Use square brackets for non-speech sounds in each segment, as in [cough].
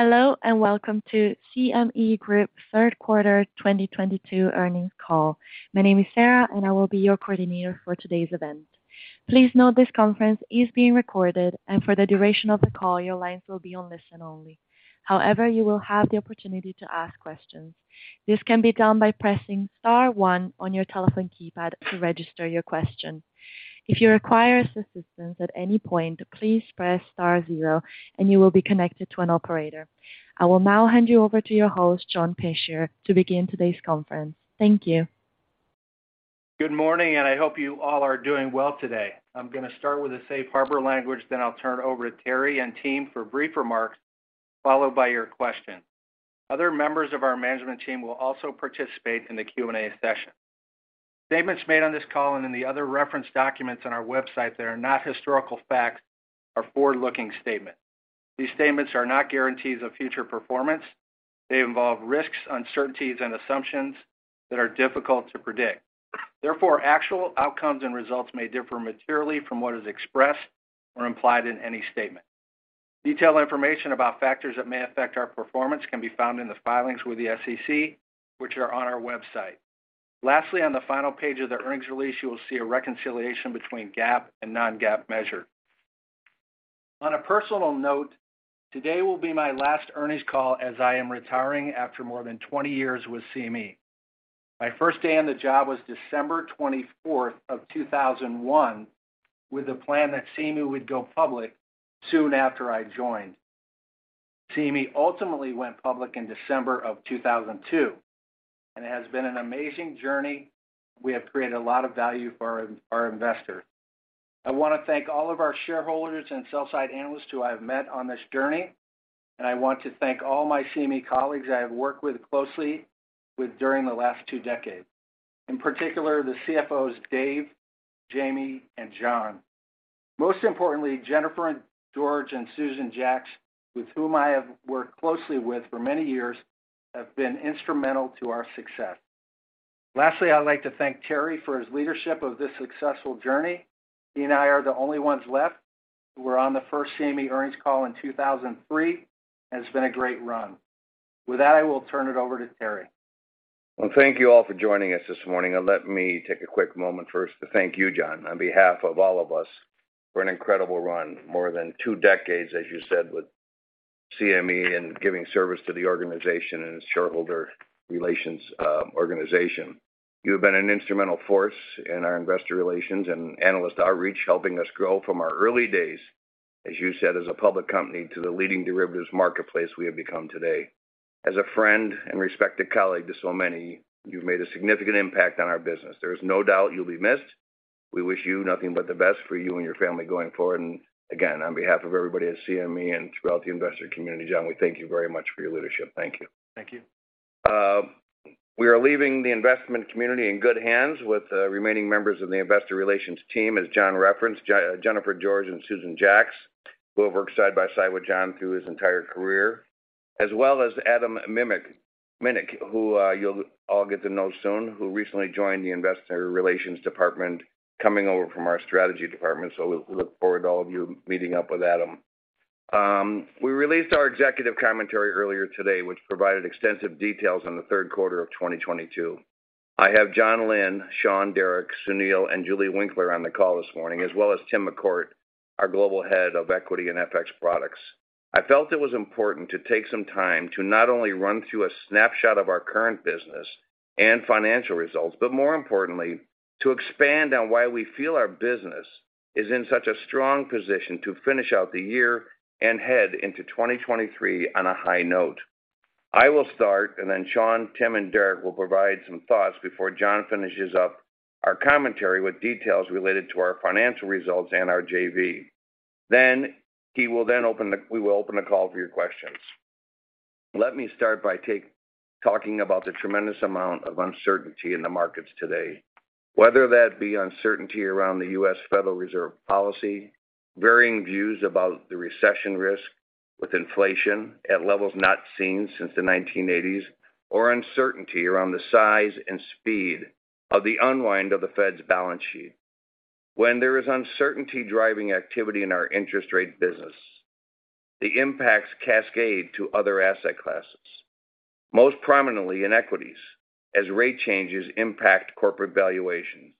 Hello and welcome to CME Group third quarter 2022 earnings call. My name is Sarah, and I will be your coordinator for today's event. Please note this conference is being recorded and for the duration of the call, your lines will be on listen only. However, you will have the opportunity to ask questions. This can be done by pressing star one on your telephone keypad to register your question. If you require assistance at any point, please press star zero and you will be connected to an operator. I will now hand you over to your host, John Peschier, to begin today's conference. Thank you. Good morning, and I hope you all are doing well today. I'm gonna start with the safe harbor language, then I'll turn over to Terry and team for brief remarks, followed by your questions. Other members of our management team will also participate in the Q&A session. Statements made on this call and in the other reference documents on our website that are not historical facts are forward-looking statements. These statements are not guarantees of future performance. They involve risks, uncertainties, and assumptions that are difficult to predict. Therefore, actual outcomes and results may differ materially from what is expressed or implied in any statement. Detailed information about factors that may affect our performance can be found in the filings with the SEC, which are on our website. Lastly, on the final page of the earnings release, you will see a reconciliation between GAAP and non-GAAP measures. On a personal note, today will be my last earnings call as I am retiring after more than 20 years with CME. My first day on the job was December 24, 2001 with a plan that CME would go public soon after I joined. CME ultimately went public in December 2002, and it has been an amazing journey. We have created a lot of value for our investors. I want to thank all of our shareholders and sell-side analysts who I have met on this journey, and I want to thank all my CME colleagues I have worked closely with during the last two decades. In particular, the CFOs Dave, Jamie, and John. Most importantly, Jennifer George and Susan Jacks, with whom I have worked closely for many years, have been instrumental to our success. Lastly, I'd like to thank Terry for his leadership of this successful journey. He and I are the only ones left who were on the first CME earnings call in 2003, and it's been a great run. With that, I will turn it over to Terry. Well, thank you all for joining us this morning. Let me take a quick moment first to thank you, John, on behalf of all of us for an incredible run, more than two decades, as you said, with CME and giving service to the organization and its shareholder relations organization. You have been an instrumental force in our investor relations and analyst outreach, helping us grow from our early days, as you said, as a public company to the leading derivatives marketplace we have become today. As a friend and respected colleague to so many, you've made a significant impact on our business. There is no doubt you'll be missed. We wish you nothing but the best for you and your family going forward. Again, on behalf of everybody at CME and throughout the investor community, John, we thank you very much for your leadership. Thank you. Thank you. We are leaving the investment community in good hands with the remaining members of the investor relations team, as John referenced, Jennifer George and Susan Jacks, who have worked side by side with John through his entire career, as well as Adam Minick, who you'll all get to know soon, who recently joined the investor relations department coming over from our strategy department. Look forward to all of you meeting up with Adam. We released our executive commentary earlier today, which provided extensive details on the Q3 of 2022. I have John Pietrowicz, Sean, Derek, Sunil, and Julie Winkler on the call this morning, as well as Tim McCourt, our Global Head of Equity and FX Products. I felt it was important to take some time to not only run through a snapshot of our current business and financial results, but more importantly, to expand on why we feel our business is in such a strong position to finish out the year and head into 2023 on a high note. I will start, and then Sean, Tim, and Derek will provide some thoughts before John finishes up our commentary with details related to our financial results and our JV. Then we will open the call for your questions. Let me start by talking about the tremendous amount of uncertainty in the markets today. Whether that be uncertainty around the U.S. Federal Reserve policy, varying views about the recession risk with inflation at levels not seen since the 1980s, or uncertainty around the size and speed of the unwind of the Fed's balance sheet. When there is uncertainty driving activity in our interest rate business, the impacts cascade to other asset classes, most prominently in equities, as rate changes impact corporate valuations,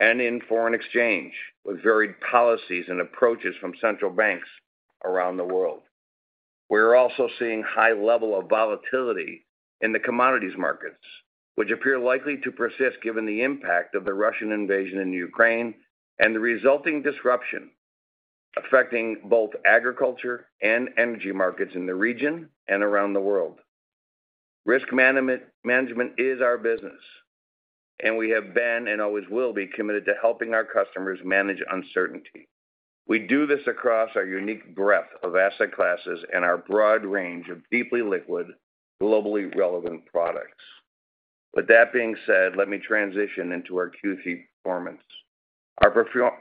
and in foreign exchange, with varied policies and approaches from central banks around the world. We're also seeing high level of volatility in the commodities markets, which appear likely to persist given the impact of the Russian invasion in Ukraine and the resulting disruption affecting both agriculture and energy markets in the region and around the world. Risk management is our business, and we have been and always will be committed to helping our customers manage uncertainty. We do this across our unique breadth of asset classes and our broad range of deeply liquid, globally relevant products. With that being said, let me transition into our Q3 performance. Our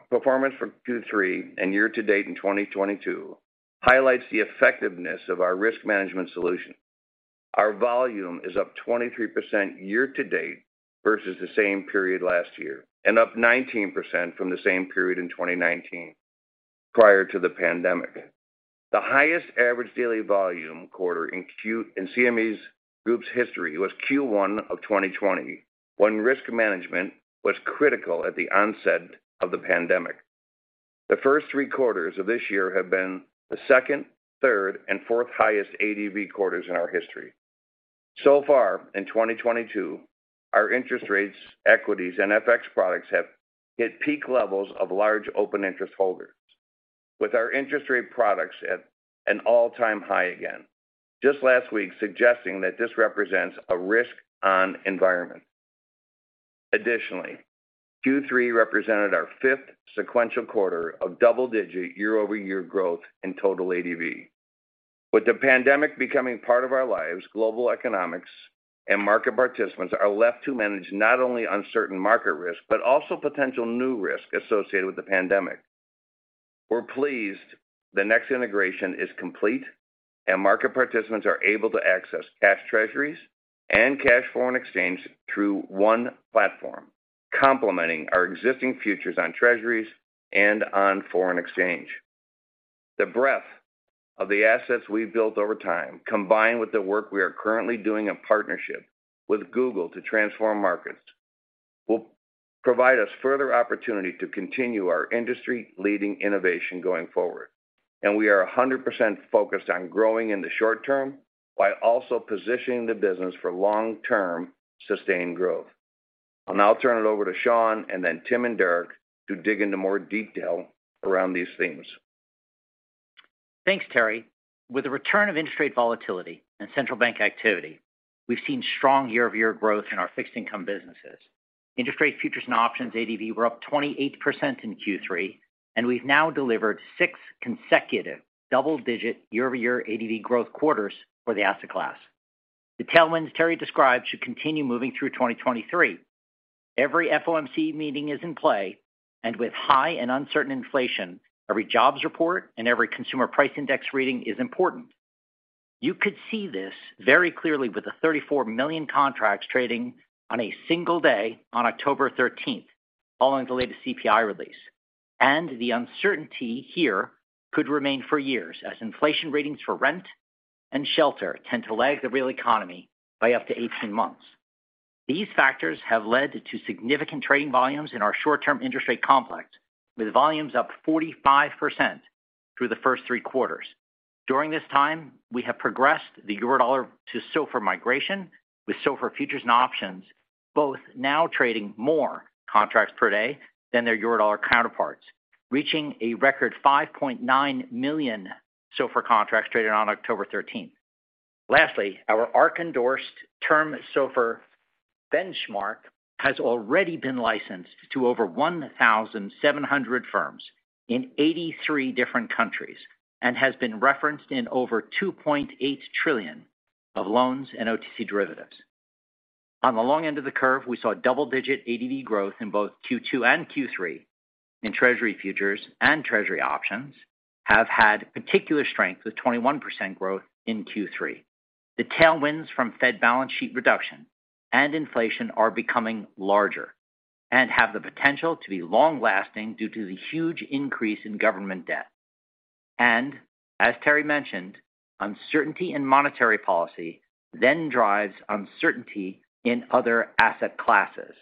performance for Q3 and year-to-date in 2022 highlights the effectiveness of our risk management solutions. Our volume is up 23% year-to-date versus the same period last year, and up 19% from the same period in 2019 prior to the pandemic. The highest average daily volume quarter in CME Group's history was Q1 of 2020, when risk management was critical at the onset of the pandemic. The first three quarters of this year have been the second, third, and fourth highest ADV quarters in our history. So far in 2022, our interest rates, equities, and FX products have hit peak levels of large open interest holders with our interest rate products at an all-time high again just last week suggesting that this represents a risk on environment. Additionally, Q3 represented our fifth sequential quarter of double-digit year-over-year growth in total ADV. With the pandemic becoming part of our lives, global economics and market participants are left to manage not only uncertain market risk, but also potential new risk associated with the pandemic. We're pleased the next integration is complete, and market participants are able to access cash treasuries and cash foreign exchange through one platform, complementing our existing futures on treasuries and on foreign exchange. The breadth of the assets we've built over time, combined with the work we are currently doing in partnership with Google to transform markets, will provide us further opportunity to continue our industry-leading innovation going forward, and we are 100% focused on growing in the short term while also positioning the business for long-term sustained growth. I'll now turn it over to Sean and then Tim and Derek to dig into more detail around these themes. Thanks, Terry. With the return of interest rate volatility and central bank activity, we've seen strong year-over-year growth in our fixed income businesses. Interest rate futures and options ADV were up 28% in Q3, and we've now delivered six consecutive double-digit year-over-year ADV growth quarters for the asset class. The tailwinds Terry described should continue moving through 2023. Every FOMC meeting is in play, and with high and uncertain inflation, every jobs report and every consumer price index reading is important. You could see this very clearly with the 34 million contracts trading on a single day on October 13th following the latest CPI release. The uncertainty here could remain for years as inflation readings for rent and shelter tend to lag the real economy by up to 18 months. These factors have led to significant trading volumes in our short-term interest rate complex, with volumes up 45% through the first three quarters. During this time, we have progressed the Eurodollar to SOFR migration, with SOFR futures and options both now trading more contracts per day than their Eurodollar counterparts, reaching a record 5.9 million SOFR contracts traded on October 13th. Lastly, our ARRC-endorsed term SOFR benchmark has already been licensed to over 1,700 firms in 83 different countries and has been referenced in over 2.8 trillion of loans and OTC derivatives. On the long end of the curve, we saw double-digit ADV growth in both Q2 and Q3, and Treasury futures and Treasury options have had particular strength with 21% growth in Q3. The tailwinds from Fed balance sheet reduction and inflation are becoming larger and have the potential to be long-lasting due to the huge increase in government debt. As Terry mentioned, uncertainty in monetary policy then drives uncertainty in other asset classes.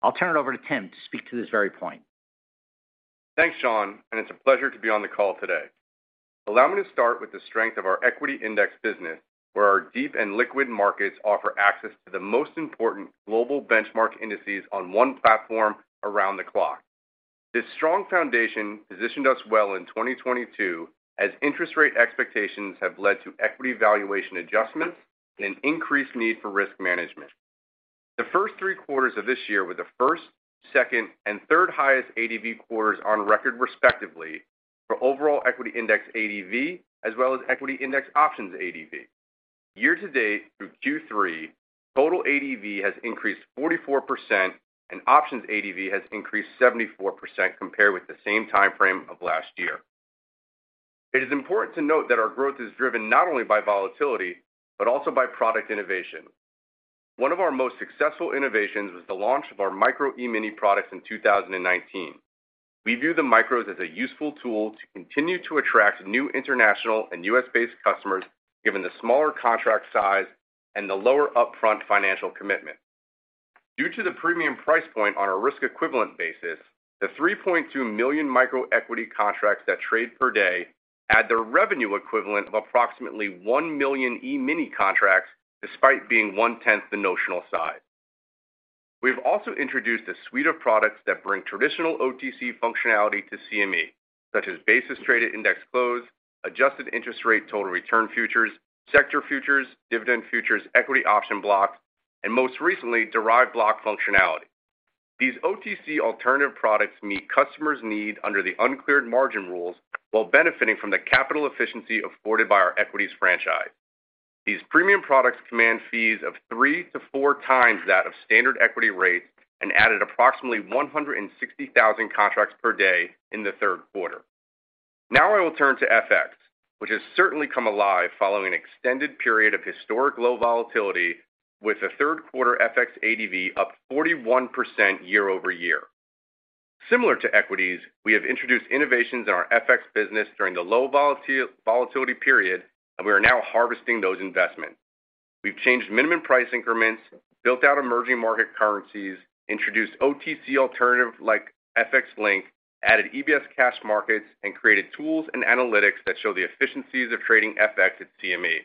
I'll turn it over to Tim to speak to this very point. Thanks, Sean, and it's a pleasure to be on the call today. Allow me to start with the strength of our equity index business, where our deep and liquid markets offer access to the most important global benchmark indices on one platform around the clock. This strong foundation positioned us well in 2022 as interest rate expectations have led to equity valuation adjustments and increased need for risk management. The first three quarters of this year were the first, second, and third highest ADV quarters on record respectively for overall equity index ADV as well as equity index options ADV. Year-to-date through Q3, total ADV has increased 44% and options ADV has increased 74% compared with the same timeframe of last year. It is important to note that our growth is driven not only by volatility, but also by product innovation. One of our most successful innovations was the launch of our Micro E-mini products in 2019. We view the Micros as a useful tool to continue to attract new international and U.S. based customers, given the smaller contract size and the lower upfront financial commitment. Due to the premium price point on a risk equivalent basis, the 3.2 million micro equity contracts that trade per day add the revenue equivalent of approximately one million E-mini contracts, despite being 1/10th the notional size. We've also introduced a suite of products that bring traditional OTC functionality to CME, such as Basis Trade at Index Close, adjusted interest rate total return futures, sector futures, dividend futures, equity option block, and most recently, derived block functionality. These OTC alternative products meet customers' need under the Uncleared Margin Rules while benefiting from the capital efficiency afforded by our equities franchise. These premium products command fees of 3 times-4 times that of standard equity rates and added approximately 160,000 contracts per day in the Q3. Now I will turn to FX, which has certainly come alive following an extended period of historic low volatility with the Q3 FX ADV up 41% year-over-year. Similar to equities, we have introduced innovations in our FX business during the low volatility period, and we are now harvesting those investments. We've changed minimum price increments, built out emerging market currencies, introduced OTC alternative like FX Link, added EBS cash markets, and created tools and analytics that show the efficiencies of trading FX at CME.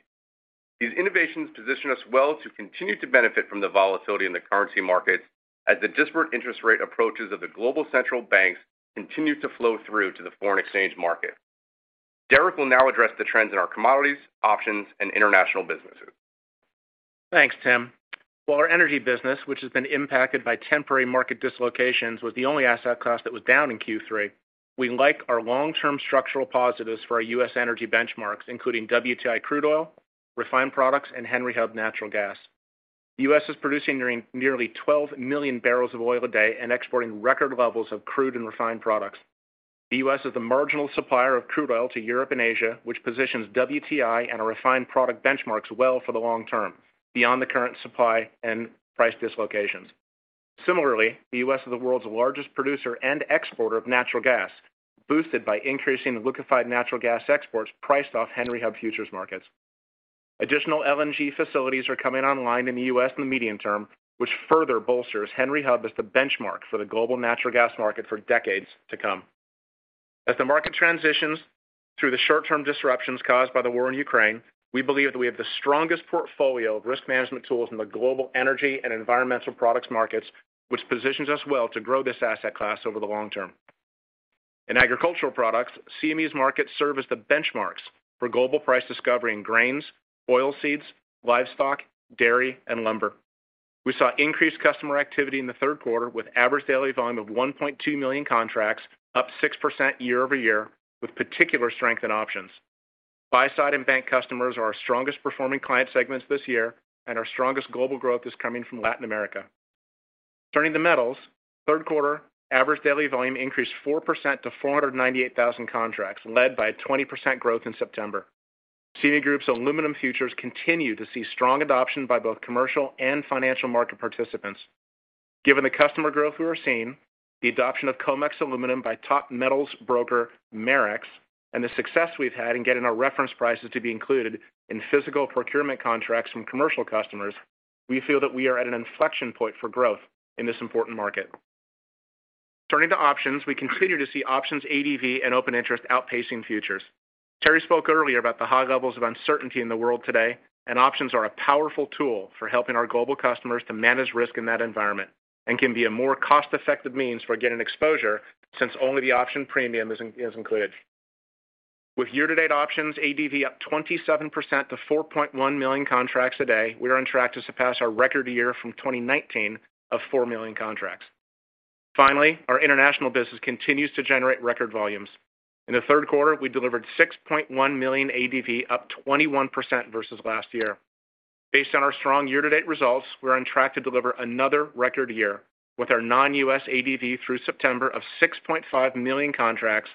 These innovations position us well to continue to benefit from the volatility in the currency markets as the disparate interest rate approaches of the global central banks continue to flow through to the foreign exchange market. Derek will now address the trends in our commodities, options, and international businesses. Thanks, Tim. While our energy business, which has been impacted by temporary market dislocations, was the only asset class that was down in Q3, we like our long-term structural positives for our U.S. energy benchmarks, including WTI crude oil, refined products, and Henry Hub natural gas. The U.S. is producing nearly 12 million barrels of oil a day and exporting record levels of crude and refined products. The U.S. is the marginal supplier of crude oil to Europe and Asia, which positions WTI and our refined product benchmarks well for the long term beyond the current supply and price dislocations. Similarly, the U.S. is the world's largest producer and exporter of natural gas, boosted by increasing liquefied natural gas exports priced off Henry Hub futures markets. Additional LNG facilities are coming online in the U.S. in the medium term, which further bolsters Henry Hub as the benchmark for the global natural gas market for decades to come. As the market transitions through the short-term disruptions caused by the war in Ukraine, we believe that we have the strongest portfolio of risk management tools in the global energy and environmental products markets, which positions us well to grow this asset class over the long term. In agricultural products, CME's markets serve as the benchmarks for global price discovery in grains, oilseeds, livestock, dairy, and lumber. We saw increased customer activity in the Q3 with average daily volume of 1.2 million contracts, up 6% year-over-year, with particular strength in options. Buy-side and bank customers are our strongest performing client segments this year, and our strongest global growth is coming from Latin America. Turning to metals, Q3 average daily volume increased 4% to 498,000 contracts, led by a 20% growth in September. CME Group's aluminum futures continue to see strong adoption by both commercial and financial market participants. Given the customer growth we are seeing, the adoption of COMEX aluminum by top metals broker Marex, and the success we've had in getting our reference prices to be included in physical procurement contracts from commercial customers, we feel that we are at an inflection point for growth in this important market. Turning to options, we continue to see options ADV and open interest outpacing futures. Terry spoke earlier about the high levels of uncertainty in the world today, and options are a powerful tool for helping our global customers to manage risk in that environment and can be a more cost-effective means for getting exposure since only the option premium is included. With year-to-date options ADV up 27% to 4.1 million contracts a day, we are on track to surpass our record year from 2019 of four million contracts. Finally, our international business continues to generate record volumes. In the Q3, we delivered 6.1 million ADV, up 21% versus last year. Based on our strong year-to-date results, we're on track to deliver another record year with our non-US ADV through September of 6.5 million contracts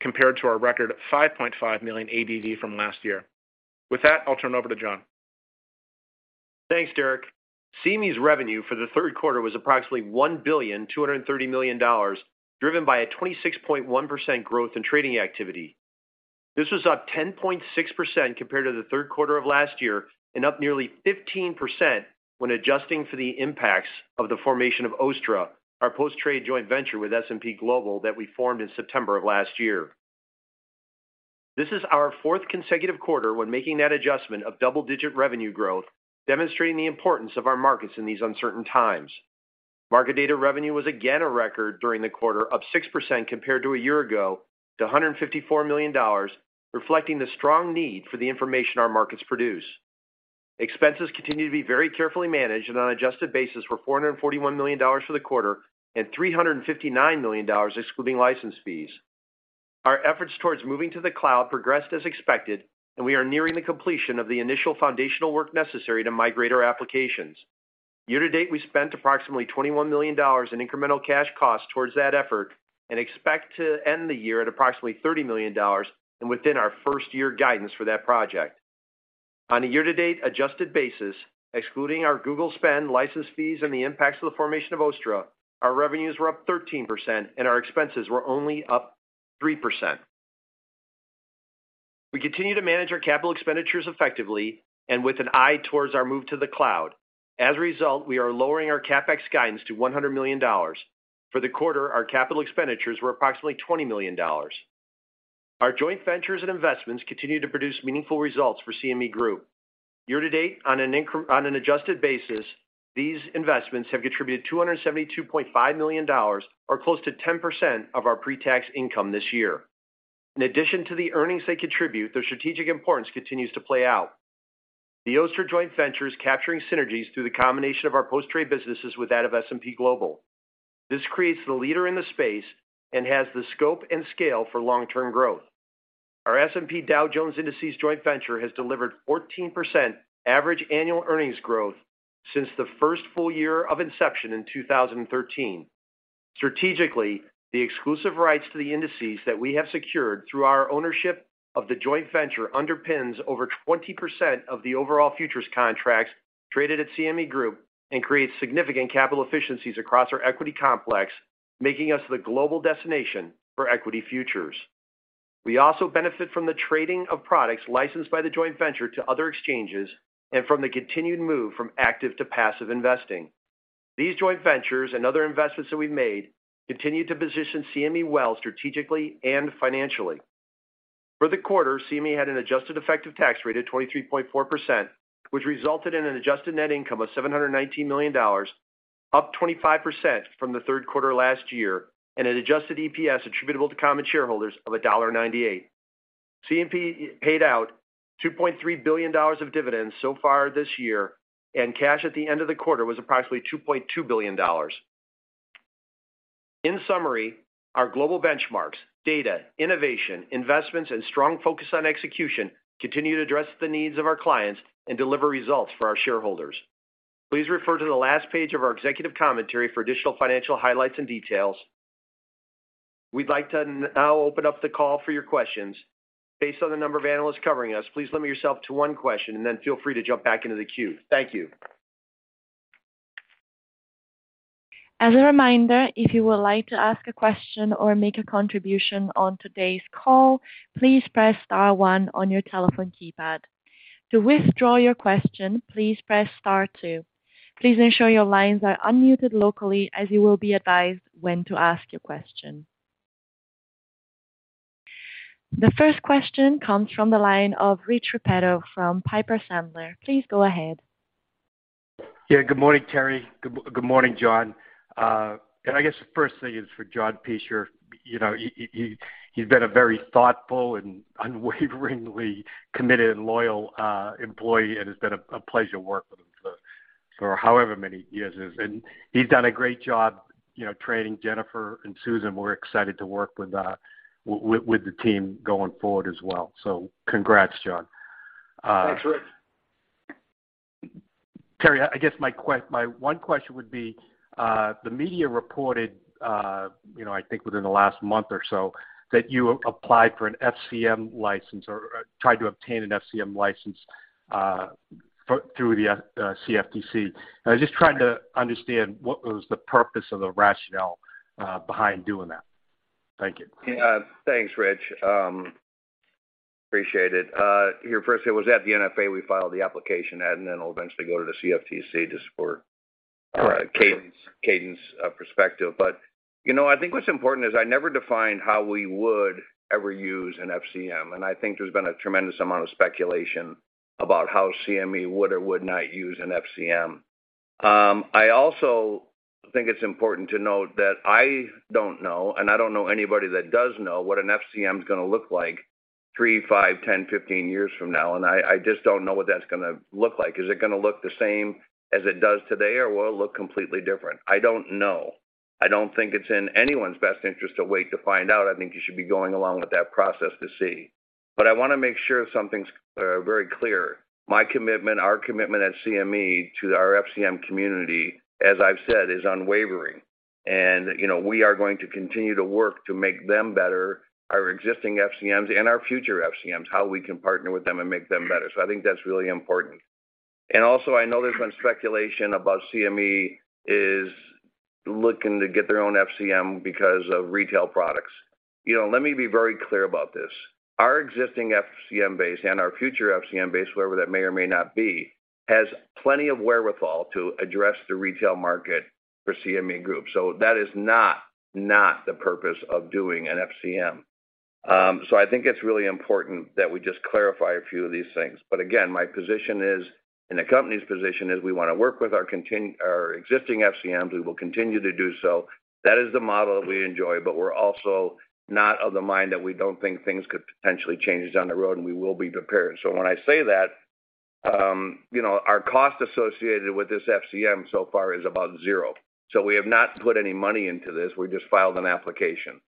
compared to our record of 5.5 million ADV from last year. With that, I'll turn it over to John. Thanks, Derek. CME's revenue for the Q3 was approximately $1.23 billion, driven by a 26.1% growth in trading activity. This was up 10.6% compared to the Q3 of last year and up nearly 15% when adjusting for the impacts of the formation of OSTTRA, our post-trade joint venture with S&P Global that we formed in September of last year. This is our fourth consecutive quarter when making that adjustment of double-digit revenue growth, demonstrating the importance of our markets in these uncertain times. Market data revenue was again a record during the quarter, up 6% compared to a year ago to $154 million, reflecting the strong need for the information our markets produce. Expenses continue to be very carefully managed and on an adjusted basis were $441 million for the quarter and $359 million excluding license fees. Our efforts towards moving to the cloud progressed as expected, and we are nearing the completion of the initial foundational work necessary to migrate our applications. Year-to-date, we spent approximately $21 million in incremental cash costs towards that effort and expect to end the year at approximately $30 million and within our first year guidance for that project. On a year-to-date adjusted basis, excluding our Google spend license fees and the impacts of the formation of OSTTRA, our revenues were up 13% and our expenses were only up 3%. We continue to manage our capital expenditures effectively and with an eye towards our move to the cloud. As a result, we are lowering our CapEx guidance to $100 million. For the quarter, our capital expenditures were approximately $20 million. Our joint ventures and investments continue to produce meaningful results for CME Group. Year-to-date, on an adjusted basis, these investments have contributed $272.5 million or close to 10% of our pre-tax income this year. In addition to the earnings they contribute, their strategic importance continues to play out. The OSTTRA joint venture is capturing synergies through the combination of our post-trade businesses with that of S&P Global. This creates the leader in the space and has the scope and scale for long-term growth. Our S&P Dow Jones Indices joint venture has delivered 14% average annual earnings growth since the first full year of inception in 2013. Strategically, the exclusive rights to the indices that we have secured through our ownership of the joint venture underpins over 20% of the overall futures contracts traded at CME Group and creates significant capital efficiencies across our equity complex, making us the global destination for equity futures. We also benefit from the trading of products licensed by the joint venture to other exchanges and from the continued move from active to passive investing. These joint ventures and other investments that we've made continue to position CME well strategically and financially. For the quarter, CME had an adjusted effective tax rate of 23.4%, which resulted in an adjusted net income of $719 million, up 25% from the Q3 last year, and an adjusted EPS attributable to common shareholders of $1.98. CME paid out $2.3 billion of dividends so far this year, and cash at the end of the quarter was approximately $2.2 billion. In summary, our global benchmarks, data, innovation, investments, and strong focus on execution continue to address the needs of our clients and deliver results for our shareholders. Please refer to the last page of our executive commentary for additional financial highlights and details. We'd like to now open up the call for your questions. Based on the number of analysts covering us, please limit yourself to one question and then feel free to jump back into the queue. Thank you. As a reminder, if you would like to ask a question or make a contribution on today's call, please press star one on your telephone keypad. To withdraw your question, please press star two. Please ensure your lines are unmuted locally, as you will be advised when to ask your question. The first question comes from the line of Rich Repetto from Piper Sandler. Please go ahead. Yeah, good morning, Terry. Good morning, John. I guess the first thing is for John Peschier. You know, he has been a very thoughtful and unwaveringly committed and loyal employee, and it's been a pleasure working with him for however many years. He has done a great job, you know, training Jennifer and Susan. We're excited to work with the team going forward as well. Congrats, John. Thanks, Rich. Terry, I guess my one question would be, the media reported, you know, I think within the last month or so that you applied for an FCM license or tried to obtain an FCM license, through the CFTC. I'm just trying to understand what was the purpose of the rationale behind doing that? Thank you. Yeah. Thanks, Rich. Appreciate it. Here, first it was at the NFA we filed the application at, and then it'll eventually go to the CFTC just for. Correct. Cadence of perspective. You know, I think what's important is I never defined how we would ever use an FCM. I think there's been a tremendous amount of speculation about how CME would or would not use an FCM. I also think it's important to note that I don't know, and I don't know anybody that does know, what an FCM is gonna look like 3 years, 5 years, 10 years, 15 years from now. I just don't know what that's gonna look like. Is it gonna look the same as it does today, or will it look completely different? I don't know. I don't think it's in anyone's best interest to wait to find out. I think you should be going along with that process to see. I wanna make sure something's very clear. My commitment, our commitment at CME to our FCM community, as I've said, is unwavering. You know, we are going to continue to work to make them better, our existing FCMs and our future FCMs, how we can partner with them and make them better. I think that's really important. I know there's been speculation about CME is looking to get their own FCM because of retail products. You know, let me be very clear about this. Our existing FCM base and our future FCM base, wherever that may or may not be, has plenty of wherewithal to address the retail market for CME Group. That is not the purpose of doing an FCM. I think it's really important that we just clarify a few of these things. Again, my position is, and the company's position is we want to work with our existing FCMs. We will continue to do so. That is the model that we enjoy. We're also not of the mind that we don't think things could potentially change down the road, and we will be prepared. When I say that, you know, our cost associated with this FCM so far is about zero. We have not put any money into this. We just filed an application.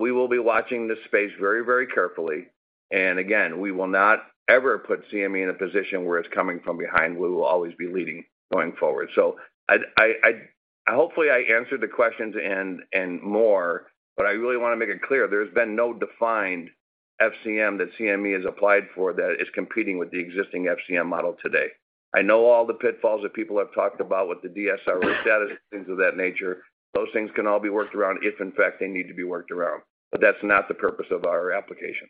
We will be watching this space very, very carefully. Again, we will not ever put CME in a position where it's coming from behind. We will always be leading going forward. I'd hopefully I answered the questions and more. I really wanna make it clear there's been no defined FCM that CME has applied for that is competing with the existing FCM model today. I know all the pitfalls that people have talked about with the DSR status and things of that nature. Those things can all be worked around if in fact they need to be worked around. That's not the purpose of our application.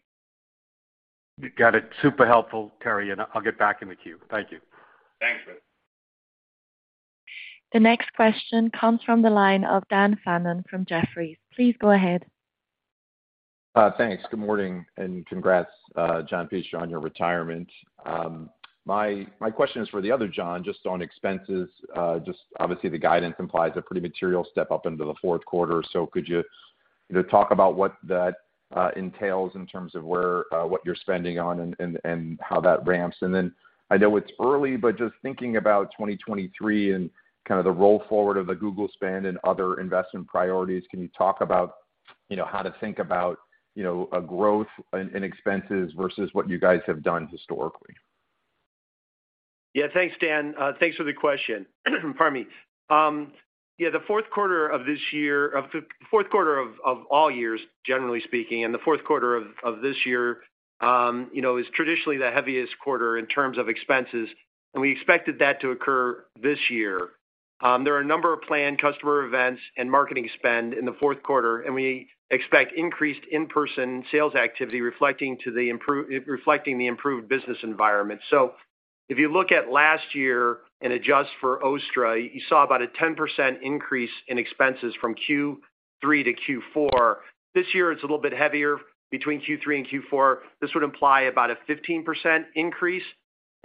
Got it. Super helpful, Terry, and I'll get back in the queue. Thank you. Thanks, Rich. The next question comes from the line of Dan Fannon from Jefferies. Please go ahead. Thanks. Good morning and congrats, John Peschier, on your retirement. My question is for the other John, just on expenses. Just obviously the guidance implies a pretty material step-up into the Q4. Could you know, talk about what that entails in terms of where what you're spending on and how that ramps? I know it's early, but just thinking about 2023 and kind of the roll forward of the Google spend and other investment priorities, can you talk about you know, how to think about, you know, a growth in expenses versus what you guys have done historically. Yeah. Thanks, Dan. Thanks for the question. Pardon me. Yeah, the Q4 of this year, of all years, generally speaking, and the Q4 of this year, you know, is traditionally the heaviest quarter in terms of expenses, and we expected that to occur this year. There are a number of planned customer events and marketing spend in the Q4, and we expect increased in-person sales activity reflecting the improved business environment. If you look at last year and adjust for OSTTRA, you saw about a 10% increase in expenses from Q3-Q4. This year, it's a little bit heavier between Q3 and Q4. This would imply about a 15% increase.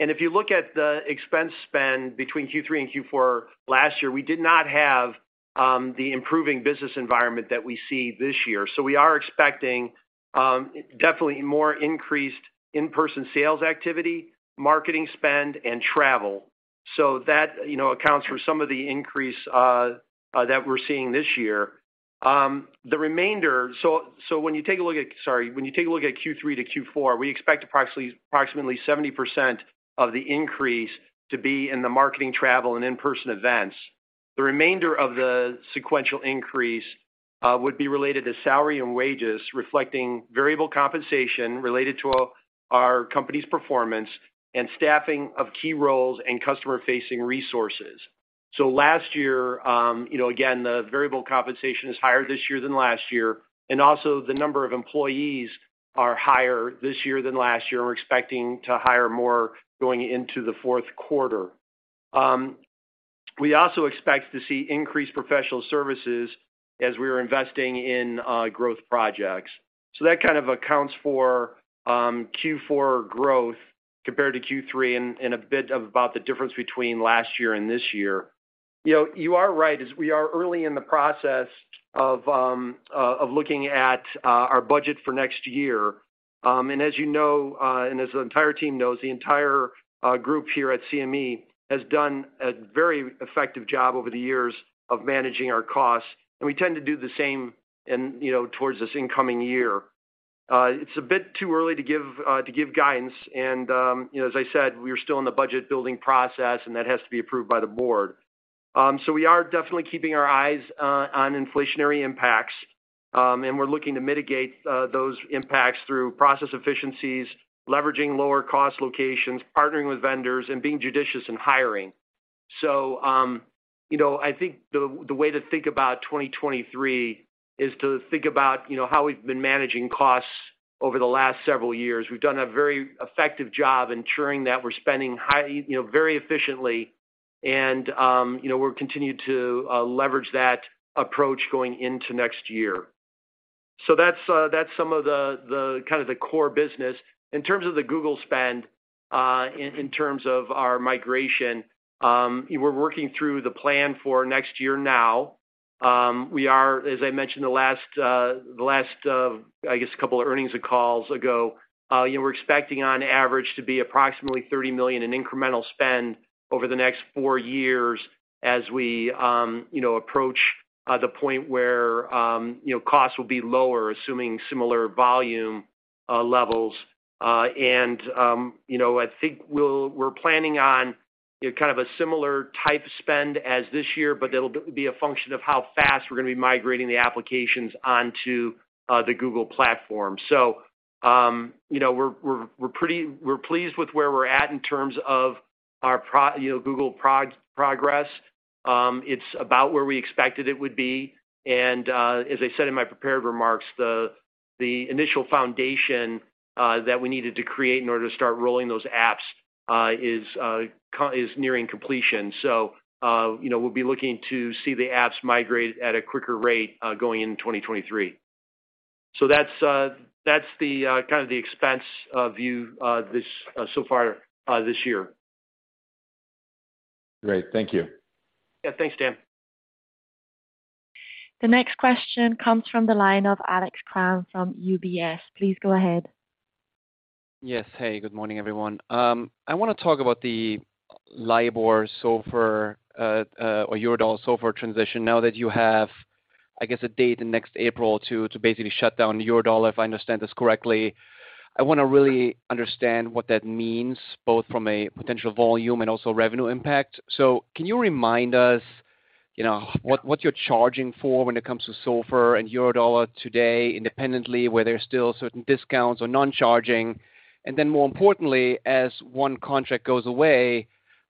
If you look at the expense spend between Q3 and Q4 last year, we did not have the improving business environment that we see this year. We are expecting definitely more increased in-person sales activity, marketing spend, and travel. That, you know, accounts for some of the increase that we're seeing this year. When you take a look at Q3-Q4, we expect approximately 70% of the increase to be in the marketing, travel, and in-person events. The remainder of the sequential increase would be related to salary and wages, reflecting variable compensation related to our company's performance and staffing of key roles and customer-facing resources. Last year, you know, again, the variable compensation is higher this year than last year, and also the number of employees are higher this year than last year. We're expecting to hire more going into the Q4. We also expect to see increased professional services as we are investing in growth projects. That kind of accounts for Q4 growth compared to Q3 and a bit about the difference between last year and this year. You know, you are right, as we are early in the process of looking at our budget for next year. As you know, the entire team knows, the entire group here at CME has done a very effective job over the years of managing our costs, and we tend to do the same towards this incoming year. It's a bit too early to give guidance, you know, as I said, we're still in the budget-building process, and that has to be approved by the board. We are definitely keeping our eyes on inflationary impacts, and we're looking to mitigate those impacts through process efficiencies, leveraging lower cost locations, partnering with vendors, and being judicious in hiring. You know, I think the way to think about 2023 is to think about how we've been managing costs over the last several years. We've done a very effective job ensuring that we're spending right, you know, very efficiently and, you know, we'll continue to leverage that approach going into next year. That's some of the kind of core business. In terms of the Google spend, in terms of our migration, we're working through the plan for next year now. We are, as I mentioned the last couple of earnings calls ago, you know, we're expecting on average to be approximately $30 million in incremental spend over the next four years as we, you know, approach the point where, you know, costs will be lower, assuming similar volume levels. You know, I think we're planning on kind of a similar type spend as this year, but it'll be a function of how fast we're gonna be migrating the applications onto the Google platform. You know, we're pleased with where we're at in terms of our Google progress. It's about where we expected it would be, and as I said in my prepared remarks, the initial foundation that we needed to create in order to start rolling those apps is nearing completion. You know, we'll be looking to see the apps migrate at a quicker rate going into 2023. That's the kind of expense view so far this year. Great. Thank you. Yeah. Thanks, Dan. The next question comes from the line of Alex Kramm from UBS. Please go ahead. Yes. Hey, good morning, everyone. I wanna talk about the LIBOR, SOFR or Eurodollar SOFR transition now that you have, I guess, a date next April to basically shut down Eurodollar, if I understand this correctly. I wanna really understand what that means, both from a potential volume and also revenue impact. Can you remind us what you're charging for when it comes to SOFR and Eurodollar today independently, where there's still certain discounts or non-charging? And then more importantly, as one contract goes away,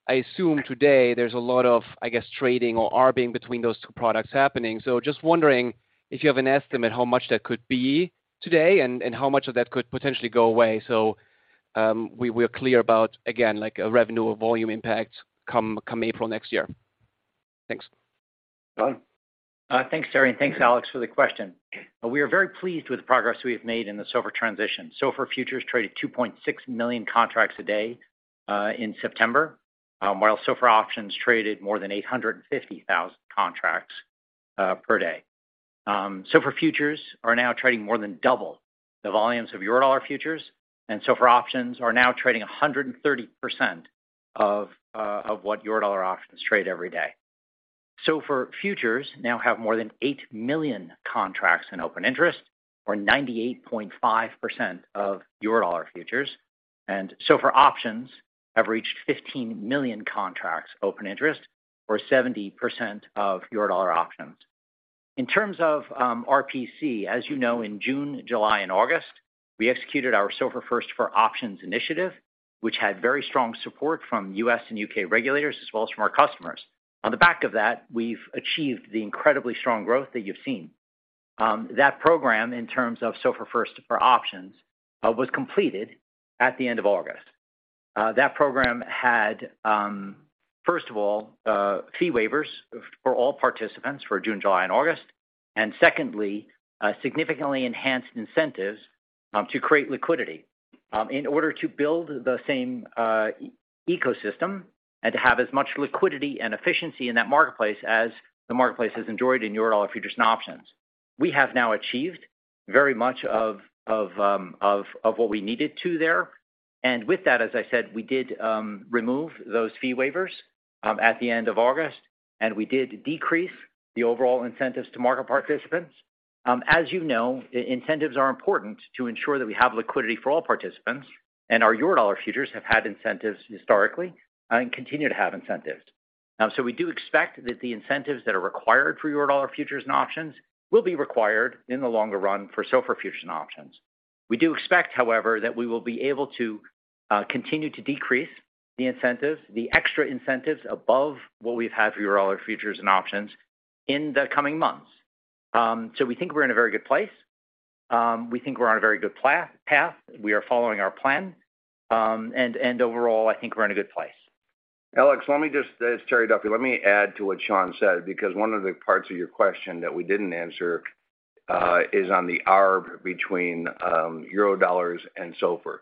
I assume today there's a lot of, I guess, trading or arbing between those two products happening. Just wondering if you have an estimate how much that could be today and how much of that could potentially go away. We're clear about, again, like a revenue or volume impact come April next year? Thanks. Sean? Thanks, Terry, and thanks, Alex, for the question. We are very pleased with the progress we have made in the SOFR transition. SOFR futures traded 2.6 million contracts a day in September, while SOFR options traded more than 850,000 contracts per day. The volumes of Eurodollar futures and SOFR options are now trading 130% of what Eurodollar options trade every day. SOFR futures now have more than eight million contracts in open interest or 98.5% of Eurodollar futures. SOFR options have reached 15 million contracts open interest or 70% of Eurodollar options. In terms of RPC, as you know, in June, July, and August, we executed our SOFR First for Options initiative, which had very strong support from U.S. and U.K. regulators as well as from our customers. On the back of that, we've achieved the incredibly strong growth that you've seen. That program, in terms of SOFR First for Options, was completed at the end of August. That program had, first of all, fee waivers for all participants for June, July, and August, and secondly, a significantly enhanced incentives to create liquidity in order to build the same ecosystem and to have as much liquidity and efficiency in that marketplace as the marketplace has enjoyed in Eurodollar futures and options. We have now achieved very much of what we needed to there. With that, as I said, we did remove those fee waivers at the end of August, and we did decrease the overall incentives to market participants. As you know, incentives are important to ensure that we have liquidity for all participants, and our Eurodollar futures have had incentives historically and continue to have incentives. We do expect that the incentives that are required for Eurodollar futures and options will be required in the longer run for SOFR futures and options. We do expect, however, that we will be able to continue to decrease the incentives, the extra incentives above what we've had for Eurodollar futures and options in the coming months. We think we're in a very good place. We think we're on a very good path. We are following our plan. Overall, I think we're in a good place. Alex, let me just. This is Terry Duffy. Let me add to what Sean said, because one of the parts of your question that we didn't answer is on the arb between Eurodollars and SOFR.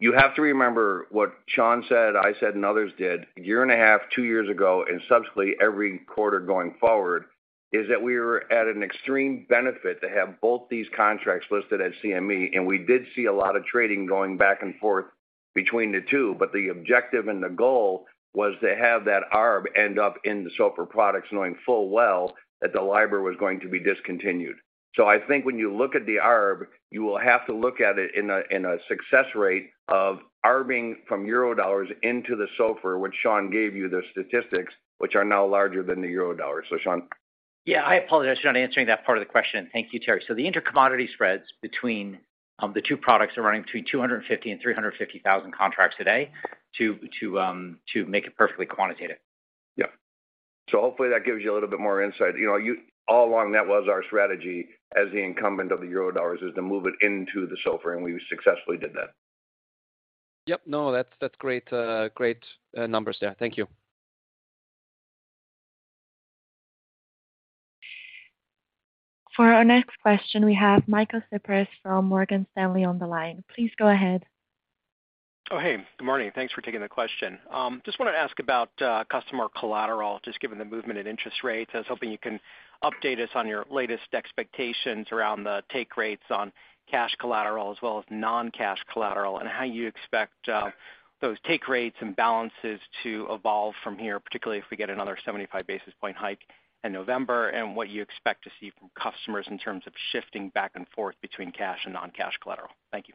You have to remember what Sean said, I said, and others said a year and a half, two years ago, and subsequently every quarter going forward, is that we were at an extreme benefit to have both these contracts listed at CME, and we did see a lot of trading going back and forth between the two, but the objective and the goal was to have that arb end up in the SOFR products, knowing full well that LIBOR was going to be discontinued. I think when you look at the arb, you will have to look at it in a success rate of arbing from Eurodollars into the SOFR, which Sean gave you the statistics, which are now larger than the Eurodollars. So, Sean. Yeah, I apologize for not answering that part of the question. Thank you, Terry. The inter-commodity spreads between the two products are running between 250,000-350,000 contracts a day to make it perfectly quantitative. Yeah. Hopefully that gives you a little bit more insight. You know, all along that was our strategy as the incumbent of the Eurodollars is to move it into the SOFR and we successfully did that. Yep. No, that's great numbers there. Thank you. For our next question, we have Michael Cyprys from Morgan Stanley on the line. Please go ahead. Oh, hey. Good morning. Thanks for taking the question. Just wanna ask about customer collateral, just given the movement in interest rates. I was hoping you can update us on your latest expectations around the take rates on cash collateral as well as non-cash collateral, and how you expect those take rates and balances to evolve from here, particularly if we get another 75 basis point hike in November, and what you expect to see from customers in terms of shifting back and forth between cash and non-cash collateral? Thank you.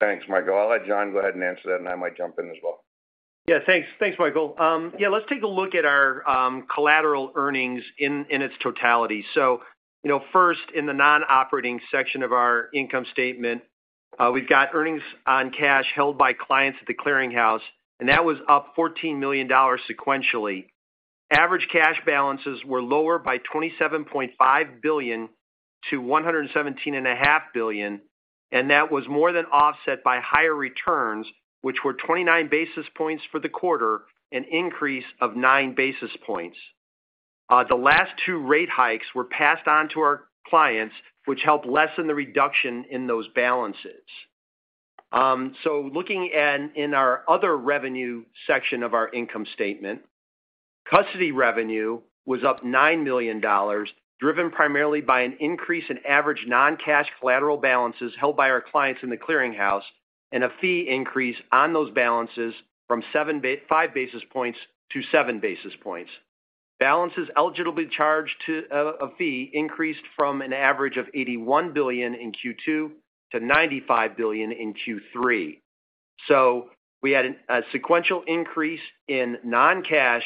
Thanks, Michael. I'll let John go ahead and answer that, and I might jump in as well. Yeah, thanks. Thanks, Michael. Yeah, let's take a look at our collateral earnings in its totality. You know, first, in the non-operating section of our income statement, we've got earnings on cash held by clients at the clearinghouse, and that was up $14 million sequentially. Average cash balances were lower by $27.5 billion-$117.5 billion, and that was more than offset by higher returns, which were 29 basis points for the quarter, an increase of nine basis points. The last two rate hikes were passed on to our clients, which helped lessen the reduction in those balances. Looking in our other revenue section of our income statement, custody revenue was up $9 million, driven primarily by an increase in average non-cash collateral balances held by our clients in the clearinghouse and a fee increase on those balances from five basis points to seven basis points. Balances eligibly charged to a fee increased from an average of $81 billion in Q2 to $95 billion in Q3. We had a sequential increase in non-cash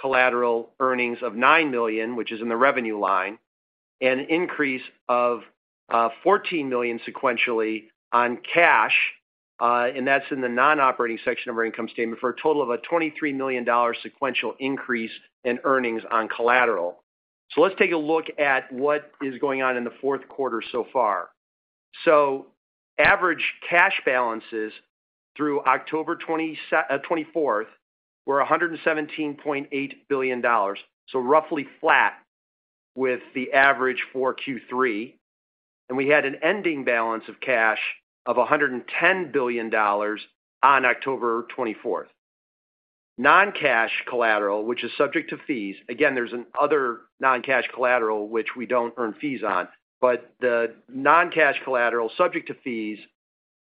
collateral earnings of $9 million, which is in the revenue line, an increase of $14 million sequentially on cash, and that's in the non-operating section of our income statement for a total of a $23 million sequential increase in earnings on collateral. Let's take a look at what is going on in the Q4 so far. Average cash balances through October24th were $117.8 billion, so roughly flat with the average for Q3. We had an ending balance of cash of $110 billion on October 24th. Non-cash collateral, which is subject to fees. Again, there's another non-cash collateral which we don't earn fees on, but the non-cash collateral subject to fees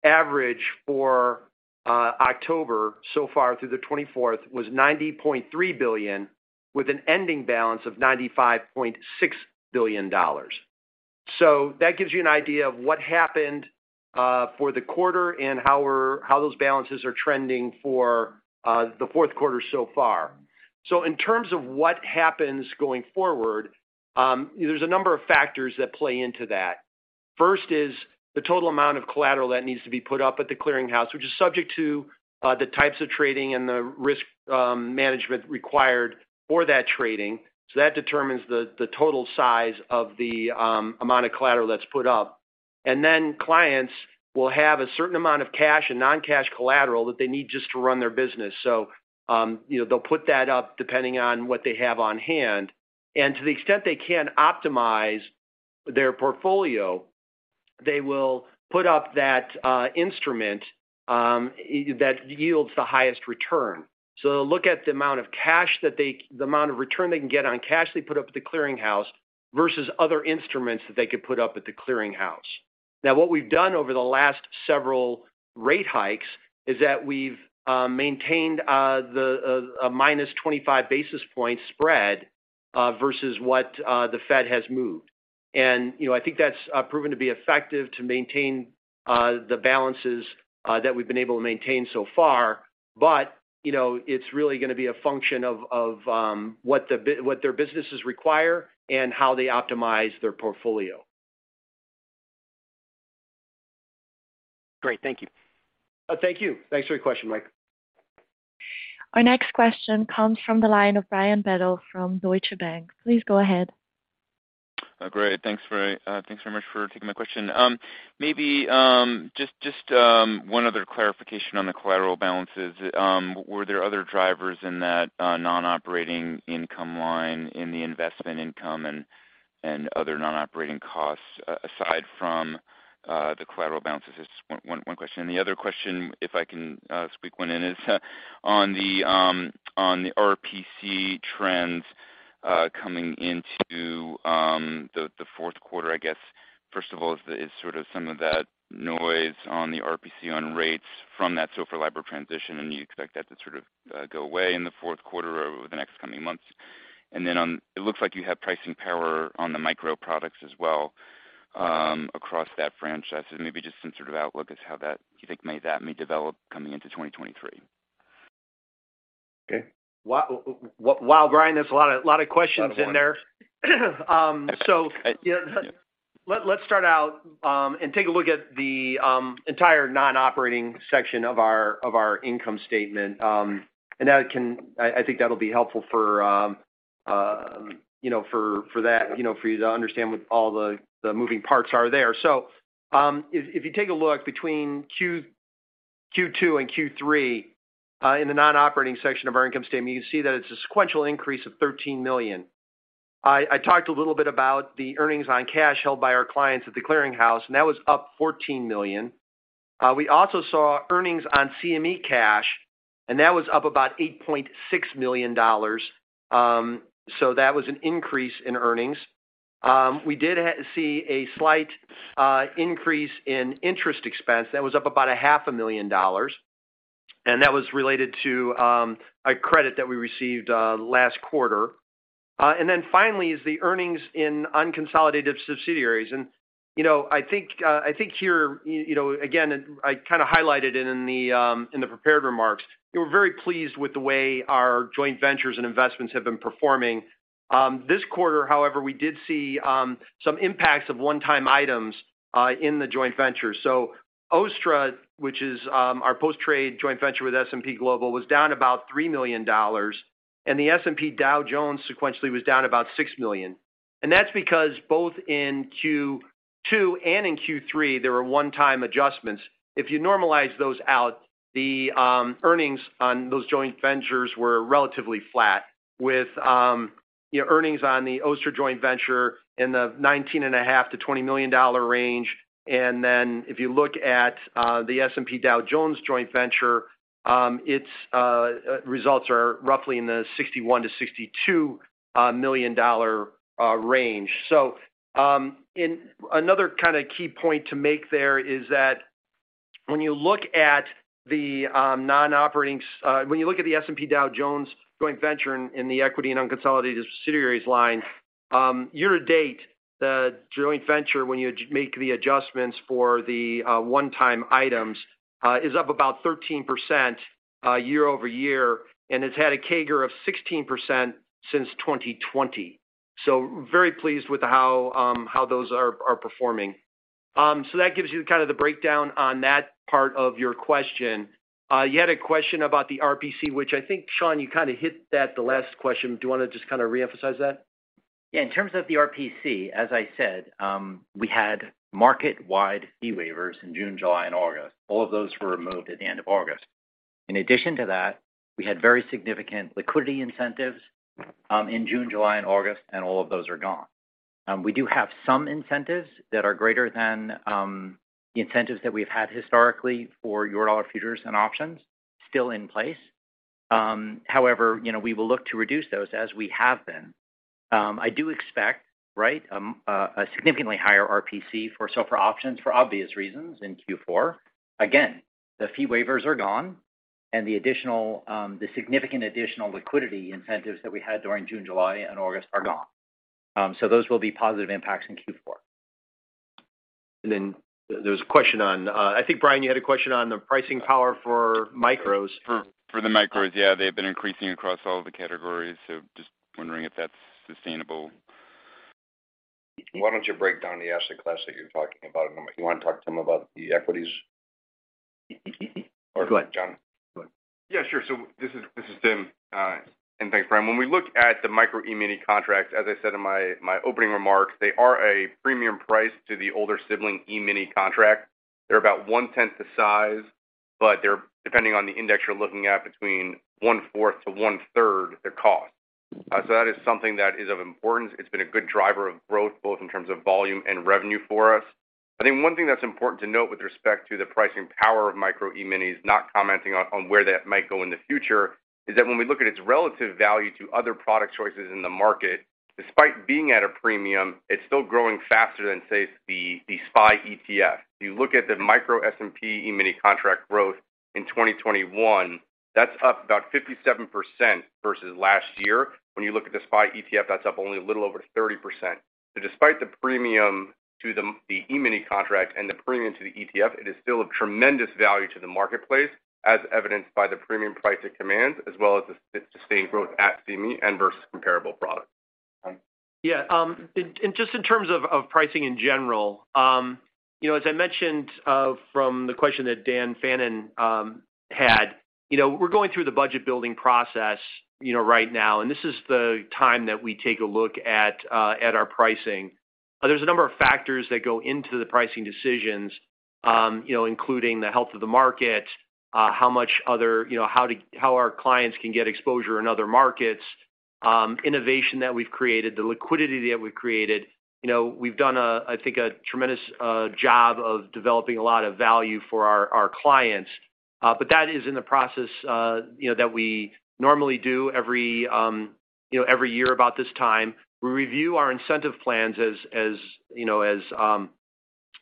average for October so far through the 24th was $90.3 billion, with an ending balance of $95.6 billion. That gives you an idea of what happened for the quarter and how those balances are trending for the Q4 so far. In terms of what happens going forward, there's a number of factors that play into that. First is the total amount of collateral that needs to be put up at the clearinghouse, which is subject to the types of trading and the risk management required for that trading. That determines the total size of the amount of collateral that's put up. Then clients will have a certain amount of cash and non-cash collateral that they need just to run their business. They'll put that up depending on what they have on hand. To the extent they can optimize their portfolio, they will put up that instrument that yields the highest return. They'll look at the amount of return they can get on cash they put up with the clearinghouse versus other instruments that they could put up at the clearinghouse. Now, what we've done over the last several rate hikes is that we've maintained a -25 basis point spread versus what the Fed has moved. You know, I think that's proven to be effective to maintain the balances that we've been able to maintain so far. You know, it's really gonna be a function of what their businesses require and how they optimize their portfolio. Great. Thank you. Thank you. Thanks for your question, Mike. Our next question comes from the line of Brian Bedell from Deutsche Bank. Please go ahead. Great. Thanks very much for taking my question. Maybe just one other clarification on the collateral balances. Were there other drivers in that non-operating income line in the investment income and other non-operating costs aside from the collateral balances? Just one question. The other question, if I can squeak one in, is on the RPC trends coming into the Q4. I guess, first of all, is sort of some of that noise on the RPC on rates from that SOFR LIBOR transition, and you expect that to sort of go away in the Q4 or over the next coming months. Then it looks like you have pricing power on the micro products as well across that franchise. Maybe just some sort of outlook on how that may develop coming into 2023. Okay. Wow, Brian, that's a lot of questions in there. A lot of ones. Um, so. Yeah. Let's start out and take a look at the entire non-operating section of our income statement. That can. I think that'll be helpful for you know for that you know for you to understand what all the moving parts are there. If you take a look between Q2 and Q3 in the non-operating section of our income statement, you can see that it's a sequential increase of $13 million. I talked a little bit about the earnings on cash held by our clients at the clearinghouse, and that was up $14 million. We also saw earnings on CME cash, and that was up about $8.6 million. That was an increase in earnings. We did see a slight increase in interest expense. That was up about $500,000 and that was related to a credit that we received last quarter. Finally is the earnings in unconsolidated subsidiaries. You know, I think here you know, again, I kinda highlighted it in the prepared remarks, we're very pleased with the way our joint ventures and investments have been performing. This quarter, however, we did see some impacts of one-time items in the joint venture. OSTTRA, which is our post-trade joint venture with S&P Global, was down about $3 million, and the S&P Dow Jones Indices sequentially was down about $6 million. That's because both in Q2 and in Q3, there were one-time adjustments. If you normalize those out, the earnings on those joint ventures were relatively flat with, you know, earnings on the OSTTRA joint venture in the $19.5 million-$20 million range. Then if you look at the S&P Dow Jones joint venture, its results are roughly in the $61 million-$62 million range. Another kind of key point to make there is that when you look at the S&P Dow Jones joint venture in the equity and unconsolidated subsidiaries line, year-to-date, the joint venture, when you make the adjustments for the one-time items, is up about 13% year over year, and it's had a CAGR of 16% since 2020. Very pleased with how those are performing. That gives you kind of the breakdown on that part of your question. You had a question about the RPC, which I think, Sean, you kinda hit that in the last question. Do you wanna just kinda reemphasize that? Yeah. In terms of the RPC, as I said, we had market-wide fee waivers in June, July, and August. All of those were removed at the end of August. In addition to that, we had very significant liquidity incentives in June, July, and August, and all of those are gone. We do have some incentives that are greater than, the incentives that we've had historically for Eurodollar futures and options still in place. However, you know, we will look to reduce those as we have been. I do expect, right, a significantly higher RPC for SOFR options for obvious reasons in Q4. Again, the fee waivers are gone and the additional, the significant additional liquidity incentives that we had during June, July, and August are gone. Those will be positive impacts in Q4. There's a question on. I think, Brian, you had a question on the pricing power for micros. For the micros, yeah. They've been increasing across all of the categories. Just wondering if that's sustainable? Why don't you break down the asset class that you're talking about? You wanna talk to him about the equities? Go ahead. Sean? Go ahead. Yeah, sure. This is Tim. Thanks, Brian. When we look at the Micro E-mini contract, as I said in my opening remarks, they are at a premium price to the older sibling E-mini contract. They're about one-tenth the size, but they're, depending on the index you're looking at, between 1/4-1/3 the cost. That is something that is of importance. It's been a good driver of growth, both in terms of volume and revenue for us. I think one thing that's important to note with respect to the pricing power of Micro E-minis, not commenting on where that might go in the future, is that when we look at its relative value to other product choices in the market, despite being at a premium, it's still growing faster than, say, the SPY ETF. You look at the Micro E-mini S&P 500 contract growth in 2021, that's up about 57% versus last year. When you look at the SPY ETF, that's up only a little over 30%. Despite the premium to the E-mini contract and the premium to the ETF, it is still of tremendous value to the marketplace, as evidenced by the premium price it commands, as well as the sustained growth at CME and versus comparable products. Yeah. Just in terms of pricing in general, you know, as I mentioned, from the question that Dan Fannon had, you know, we're going through the budget building process, you know, right now, and this is the time that we take a look at our pricing. There's a number of factors that go into the pricing decisions, you know, including the health of the market, how our clients can get exposure in other markets, innovation that we've created, the liquidity that we've created. You know, we've done a, I think, a tremendous job of developing a lot of value for our clients. But that is in the process, you know, that we normally do every year about this time. We review our incentive plans as you know, as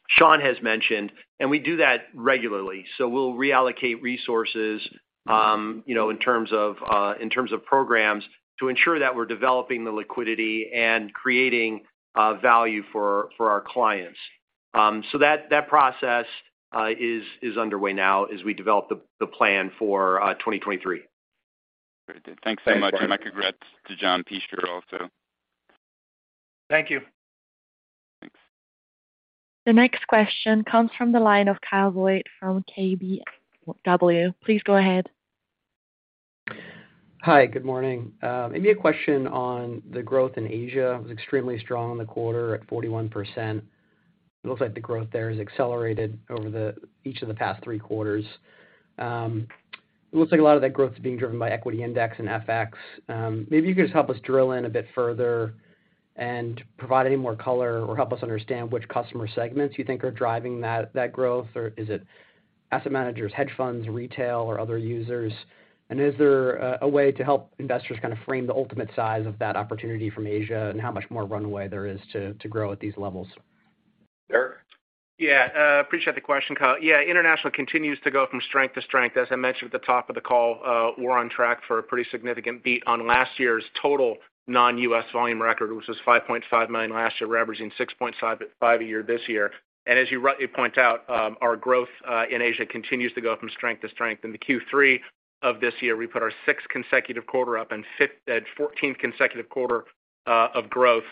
Sean has mentioned, and we do that regularly. We'll reallocate resources, you know, in terms of programs to ensure that we're developing the liquidity and creating value for our clients. That process is underway now as we develop the plan for 2023. Thanks so much. My regrets to John Peschier here also. Thank you. Thanks. The next question comes from the line of Kyle Voigt from KBW. Please go ahead. Hi. Good morning. Maybe a question on the growth in Asia. It was extremely strong in the quarter at 41%. It looks like the growth there has accelerated over each of the past three quarters. It looks like a lot of that growth is being driven by equity index and FX. Maybe you could just help us drill in a bit further and provide any more color or help us understand which customer segments you think are driving that growth, or is it asset managers, hedge funds, retail, or other users? Is there a way to help investors kinda frame the ultimate size of that opportunity from Asia and how much more runway there is to grow at these levels? Sure. Yeah. Appreciate the question, Kyle. Yeah, international continues to go from strength to strength. As I mentioned at the top of the call, we're on track for a pretty significant beat on last year's total non-US volume record, which was 5.5 million last year, we're averaging 6.5 million a year this year. As you rightly point out, our growth in Asia continues to go from strength to strength. In the Q3 of this year, we put our sixth consecutive quarter up and fourteenth consecutive quarter of growth.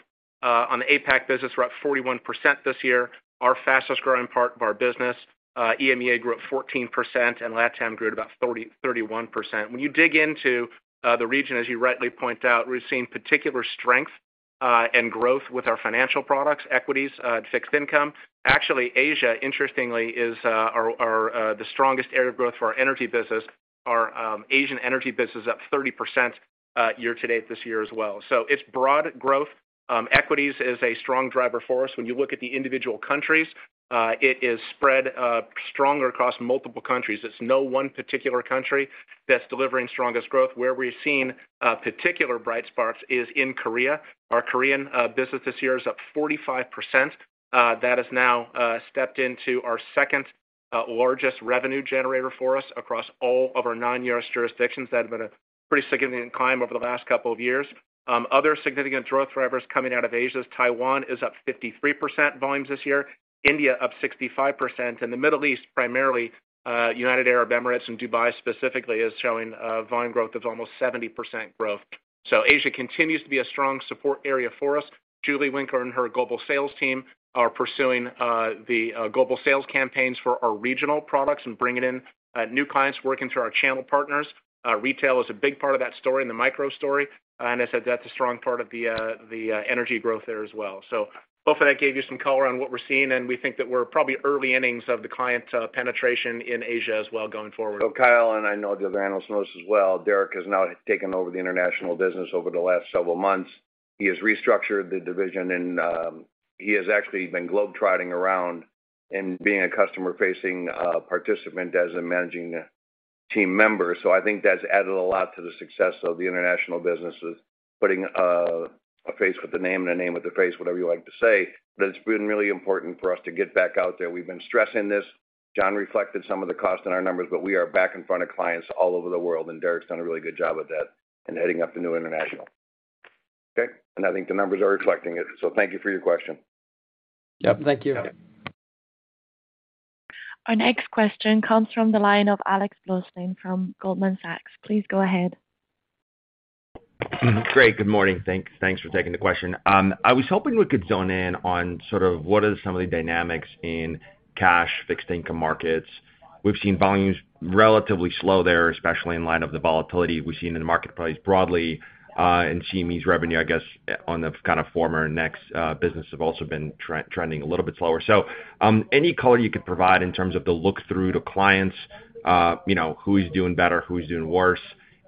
On the APAC business, we're up 41% this year, our fastest growing part of our business. EMEA grew up 14%, and LatAm grew at about 31%. When you dig into the region, as you rightly point out, we're seeing particular strength and growth with our financial products, equities, and fixed income. Actually, Asia, interestingly, is the strongest area of growth for our energy business. Our Asian energy business is up 30% year-to-date this year as well. It's broad growth. Equities is a strong driver for us. When you look at the individual countries, it is spread stronger across multiple countries. It's no one particular country that's delivering strongest growth. Where we've seen particular bright sparks is in Korea. Our Korean business this year is up 45%. That has now stepped into our second largest revenue generator for us across all of our non-U.S. jurisdictions. That has been a pretty significant climb over the last couple of years. Other significant growth drivers coming out of Asia is Taiwan is up 53% volumes this year, India up 65%, and the Middle East, primarily, United Arab Emirates and Dubai specifically, is showing a volume growth of almost 70% growth. Asia continues to be a strong support area for us. Julie Winkler and her global sales team are pursuing the global sales campaigns for our regional products and bringing in new clients working through our channel partners. Retail is a big part of that story and the micro story. As I said, that's a strong part of the energy growth there as well. Hopefully that gave you some color on what we're seeing, and we think that we're probably early innings of the client penetration in Asia as well, going forward. Kyle, and I know the other analysts know this as well, Derek has now taken over the international business over the last several months. He has restructured the division and he has actually been globe-trotting around and being a customer-facing participant as a managing team member. I think that's added a lot to the success of the international business, is putting a face with the name and a name with the face, whatever you like to say. But it's been really important for us to get back out there. We've been stressing this. John reflected some of the cost in our numbers, but we are back in front of clients all over the world, and Derek's done a really good job with that in heading up the new international. Okay. I think the numbers are reflecting it. Thank you for your question. Yep. Thank you. Yeah. Our next question comes from the line of Alex Blostein from Goldman Sachs. Please go ahead. Great. Good morning. Thanks for taking the question. I was hoping we could zone in on sort of what are some of the dynamics in cash fixed income markets. We've seen volumes relatively slow there, especially in light of the volatility we've seen in the marketplace broadly, and CME's revenue I guess on the kind of former Nex business have also been trending a little bit slower. Any color you could provide in terms of the look-through to clients, you know, who is doing better, who is doing worse,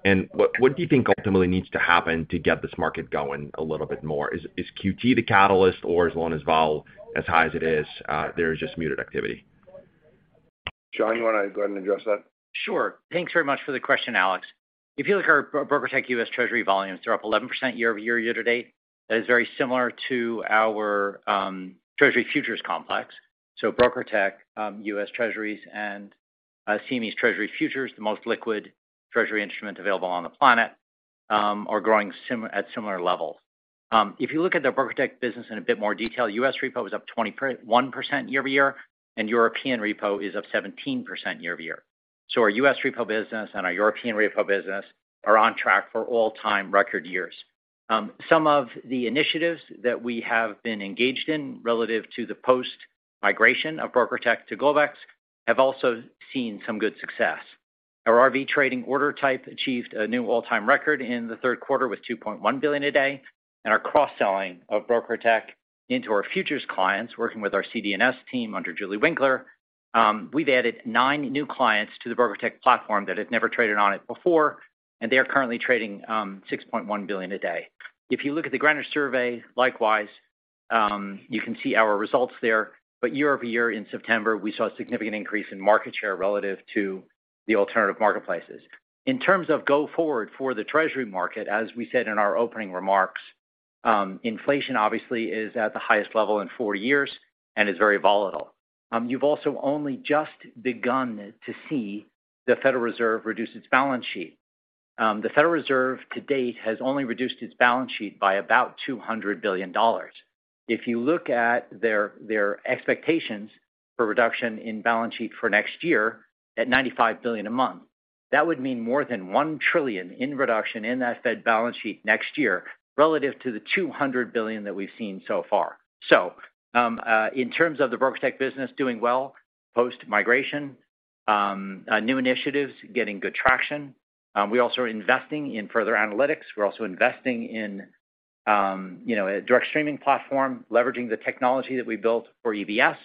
and what do you think ultimately needs to happen to get this market going a little bit more? Is QT the catalyst or as long as volume as high as it is, there's just muted activity? Sean, you wanna go ahead and address that? Sure. Thanks very much for the question, Alex. If you look at our BrokerTec U.S. Treasury volumes, they're up 11% year-over-year, year-to-date. That is very similar to our Treasury Futures complex. BrokerTec U.S. Treasuries and CME's Treasury Futures, the most liquid treasury instrument available on the planet, are growing at similar levels. If you look at the BrokerTec business in a bit more detail, U.S. repo is up 21% year-over-year, and European repo is up 17% year-over-year. Our U.S. repo business and our European repo business are on track for all-time record years. Some of the initiatives that we have been engaged in relative to the post-migration of BrokerTec to Globex have also seen some good success. Our RV trading order type achieved a new all-time record in the Q3 with $2.1 billion a day, and our cross-selling of BrokerTec into our futures clients, working with our CD&S team under Julie Winkler, we've added nine new clients to the BrokerTec platform that had never traded on it before, and they are currently trading $6.1 billion a day. If you look at the Greenwich survey, likewise, you can see our results there. Year-over-year in September, we saw a significant increase in market share relative to the alternative marketplaces. In terms of go forward for the Treasury market, as we said in our opening remarks, inflation obviously is at the highest level in four years and is very volatile. You've also only just begun to see the Federal Reserve reduce its balance sheet. The Federal Reserve to date has only reduced its balance sheet by about $200 billion. If you look at their expectations for reduction in balance sheet for next year at $95 billion a month, that would mean more than $1 trillion in reduction in that Fed balance sheet next year relative to the $200 billion that we've seen so far. In terms of the BrokerTec business doing well post-migration, new initiatives getting good traction. We're also investing in further analytics. We're also investing in, you know, a direct streaming platform, leveraging the technology that we built for EBS.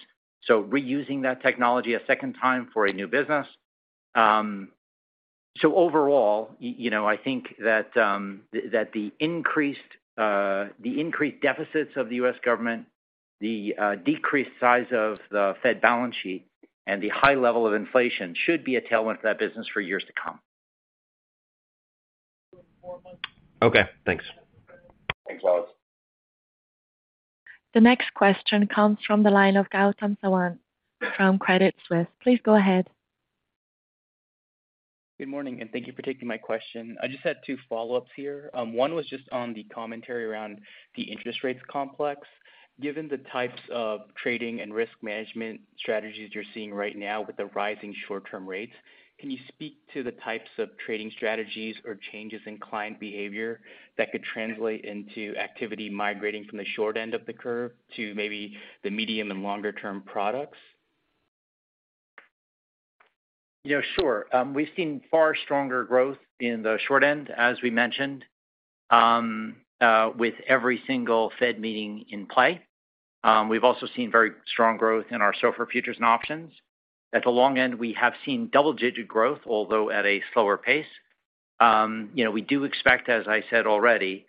Reusing that technology a second time for a new business. Overall, you know, I think that the increased deficits of the U.S. government, the decreased size of the Fed balance sheet, and the high level of inflation should be a tailwind for that business for years to come. Okay, thanks. Thanks, Alex. The next question comes from the line of Gautam Sawant from Credit Suisse. Please go ahead. Good morning, and thank you for taking my question. I just had two follow-ups here. One was just on the commentary around the interest rates complex. Given the types of trading and risk management strategies you're seeing right now with the rising short-term rates, can you speak to the types of trading strategies or changes in client behavior that could translate into activity migrating from the short end of the curve to maybe the medium and longer term products? Yeah, sure. We've seen far stronger growth in the short end, as we mentioned, with every single Fed meeting in play. We've also seen very strong growth in our SOFR futures and options. At the long end, we have seen double-digit growth, although at a slower pace. You know, we do expect, as I said already,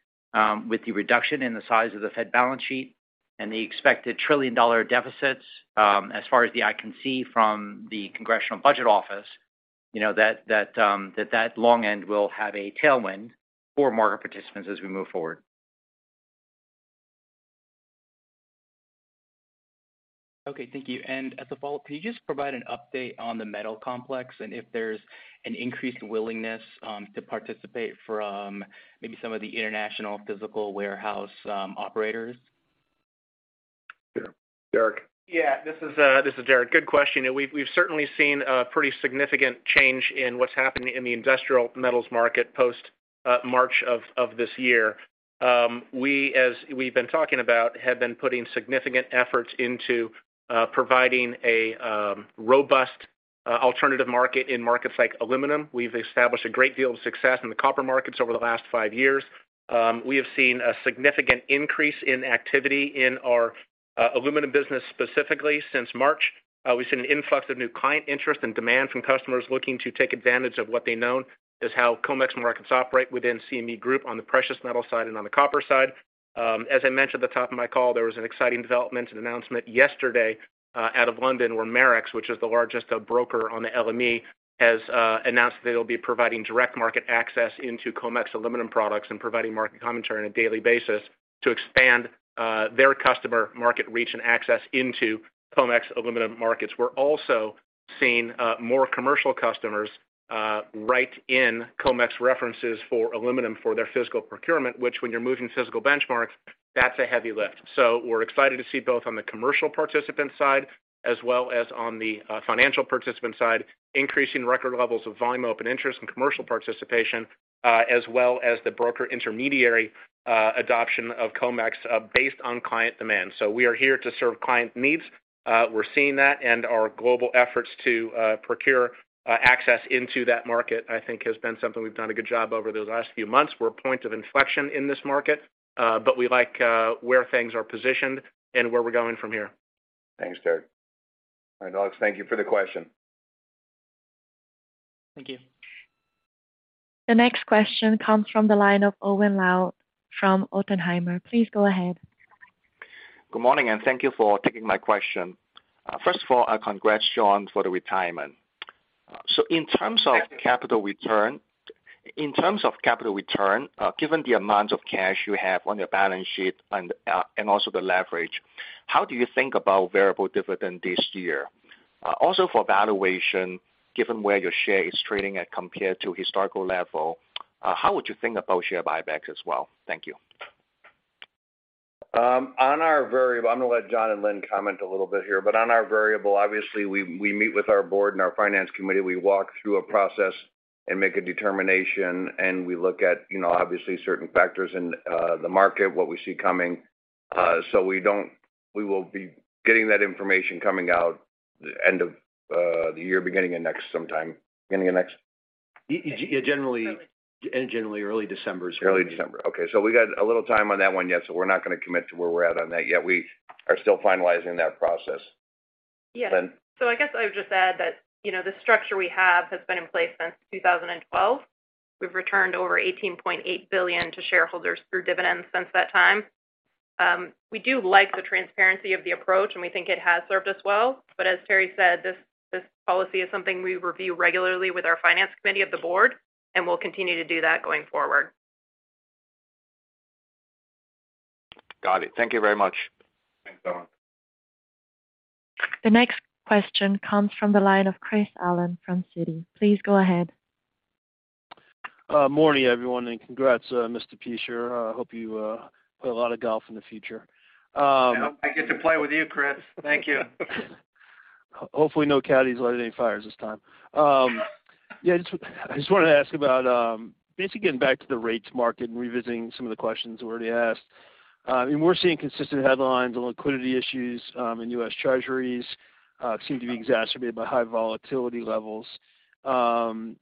with the reduction in the size of the Fed balance sheet and the expected trillion-dollar deficits, as far as the eye can see from the Congressional Budget Office, you know, that long end will have a tailwind for market participants as we move forward. Okay, thank you. As a follow-up, can you just provide an update on the metal complex and if there's an increased willingness to participate from maybe some of the international physical warehouse operators? Sure. Derek. Yeah. This is Derek. Good question. We've certainly seen a pretty significant change in what's happened in the industrial metals market post March of this year. We, as we've been talking about, have been putting significant efforts into providing a robust alternative market in markets like aluminum. We've established a great deal of success in the copper markets over the last five years. We have seen a significant increase in activity in our aluminum business specifically since March. We've seen an influx of new client interest and demand from customers looking to take advantage of what they know is how COMEX markets operate within CME Group on the precious metal side and on the copper side. As I mentioned at the top of my call, there was an exciting development and announcement yesterday out of London, where Marex, which is the largest broker on the LME, has announced that they'll be providing direct market access into COMEX aluminum products and providing market commentary on a daily basis to expand their customer market reach and access into COMEX aluminum markets. We're also seeing more commercial customers right in COMEX references for aluminum for their physical procurement, which when you're moving physical benchmarks, that's a heavy lift. We're excited to see both on the commercial participant side as well as on the financial participant side, increasing record levels of volume, open interest, and commercial participation as well as the broker intermediary adoption of COMEX based on client demand. We are here to serve client needs. We're seeing that and our global efforts to procure access into that market, I think has been something we've done a good job over those last few months. We're a point of inflection in this market, but we like where things are positioned and where we're going from here. Thanks, Derek. All right, Gautam, thank you for the question. Thank you. The next question comes from the line of Owen Lau from Oppenheimer. Please go ahead. Good morning, and thank you for taking my question. First of all, I congratulate John for the retirement. In terms of capital return, given the amount of cash you have on your balance sheet and also the leverage, how do you think about variable dividend this year? Also for valuation, given where your shares are trading at compared to historical levels, how would you think about share buybacks as well? Thank you. I'm gonna let Sean and Lynn comment a little bit here, but on our variable, obviously we meet with our board and our finance committee, we walk through a process and make a determination, and we look at, you know, obviously certain factors in the market, what we see coming. We will be getting that information coming out the end of the year, beginning of next year sometime. Beginning of next year? Yeah. Generally early December. Early December. Okay. We got a little time on that one yet, so we're not gonna commit to where we're at on that yet. We are still finalizing that process. Yeah. [crosstalk] I guess I would just add that, you know, the structure we have has been in place since 2012. We've returned over $18.8 billion to shareholders through dividends since that time. We do like the transparency of the approach, and we think it has served us well. But as Terry said, this policy is something we review regularly with our finance committee of the board, and we'll continue to do that going forward. Got it. Thank you very much. Thanks, Owen. The next question comes from the line of Chris Allen from Citi. Please go ahead. Morning, everyone, and congrats, Mr. Peschier. I hope you play a lot of golf in the future. I hope I get to play with you, Chris. Thank you. Hopefully, no caddies light any fires this time. Yeah, I just wanted to ask about basically getting back to the rates market and revisiting some of the questions already asked. We're seeing consistent headlines on liquidity issues in U.S. Treasuries seem to be exacerbated by high volatility levels. There's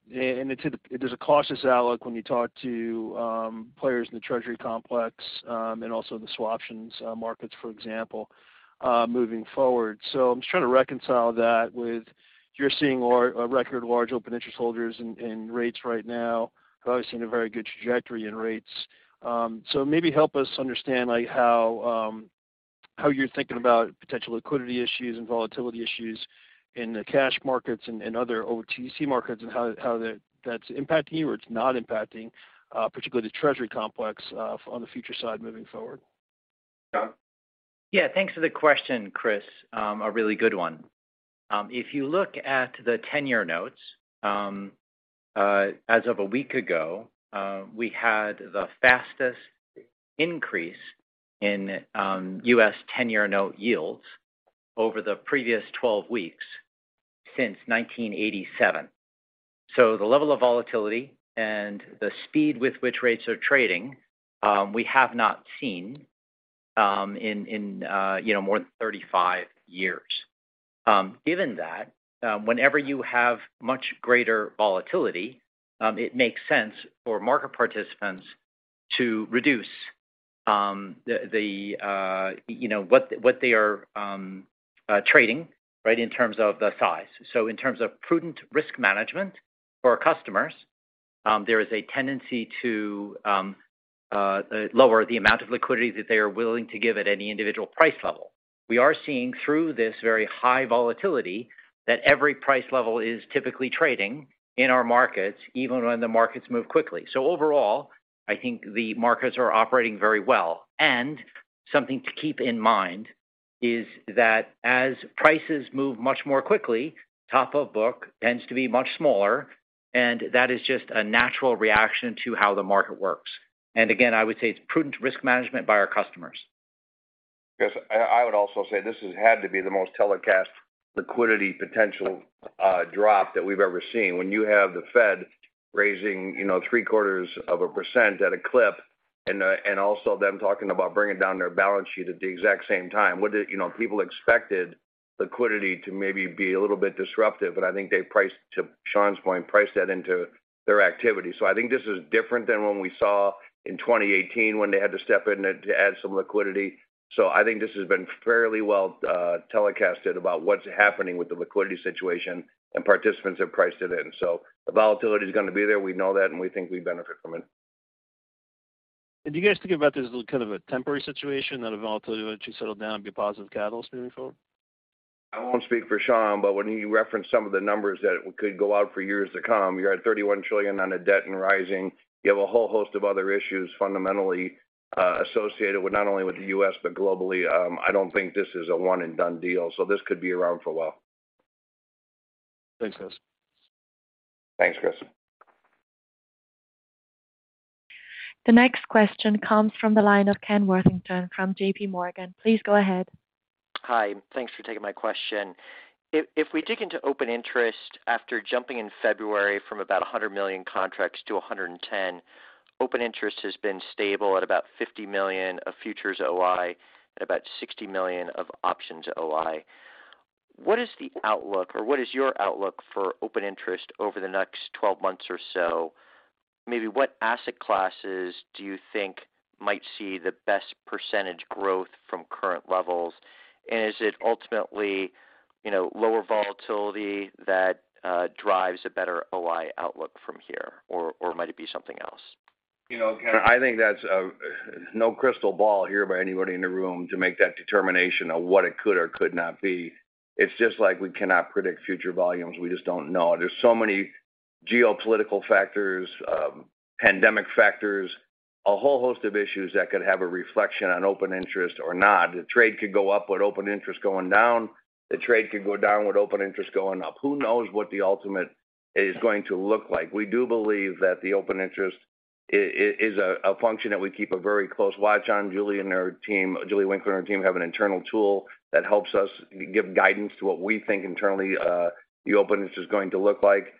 a cautious outlook when you talk to players in the Treasury complex and also the swaptions markets, for example, moving forward. I'm just trying to reconcile that with what you're seeing, a record large open interest holders in rates right now, obviously in a very good trajectory in rates. Maybe help us understand like how you're thinking about potential liquidity issues and volatility issues in the cash markets and other OTC markets and how that's impacting you or it's not impacting, particularly the Treasury complex, on the futures side moving forward? Sean? Yeah. Thanks for the question, Chris. A really good one. If you look at the ten-year notes, as of a week ago, we had the fastest increase in U.S. ten-year note yields over the previous 12 weeks since 1987. The level of volatility and the speed with which rates are trading, we have not seen in you know more than 35 years. Given that, whenever you have much greater volatility, it makes sense for market participants to reduce the you know what they are trading, right, in terms of the size. In terms of prudent risk management for our customers, there is a tendency to lower the amount of liquidity that they are willing to give at any individual price level. We are seeing through this very high volatility that every price level is typically trading in our markets, even when the markets move quickly. Overall, I think the markets are operating very well. Something to keep in mind is that as prices move much more quickly, top of book tends to be much smaller, and that is just a natural reaction to how the market works. Again, I would say it's prudent risk management by our customers. Chris, I would also say this has had to be the most telegraphed liquidity potential drop that we've ever seen. When you have the Fed raising, you know, three-quarters of a percent at a clip, and also them talking about bringing down their balance sheet at the exact same time. You know, people expected liquidity to maybe be a little bit disruptive, but I think they priced, to Sean's point, that into their activity. I think this is different than when we saw in 2018 when they had to step in and to add some liquidity. I think this has been fairly well telegraphed about what's happening with the liquidity situation, and participants have priced it in. The volatility is gonna be there. We know that, and we think we benefit from it. Do you guys think about this as kind of a temporary situation, that the volatility would actually settle down and be a positive catalyst moving forward? I won't speak for Sean, but when he referenced some of the numbers that could go out for years to come, you're at $31 trillion on a debt and rising. You have a whole host of other issues fundamentally, associated with not only with the U.S. but globally. I don't think this is a one and done deal, so this could be around for a while. Thanks, guys. Thanks, Chris. The next question comes from the line of Ken Worthington from JPMorgan. Please go ahead. Hi. Thanks for taking my question. If we dig into open interest after jumping in February from about 100 million contracts to 110, open interest has been stable at about 50 million of futures OI at about 60 million of options OI. What is the outlook or what is your outlook for open interest over the next 12 months or so? Maybe what asset classes do you think might see the best percentage growth from current levels? Is it ultimately, you know, lower volatility that drives a better OI outlook from here or might it be something else? You know, Ken, I think that's no crystal ball here by anybody in the room to make that determination of what it could or could not be. It's just like we cannot predict future volumes. We just don't know. There's so many geopolitical factors, pandemic factors, a whole host of issues that could have a reflection on open interest or not. The trade could go up with open interest going down. The trade could go down with open interest going up. Who knows what the ultimate is going to look like? We do believe that the open interest is a function that we keep a very close watch on. Julie and her team, Julie Winkler and team have an internal tool that helps us give guidance to what we think internally, the open interest is going to look like.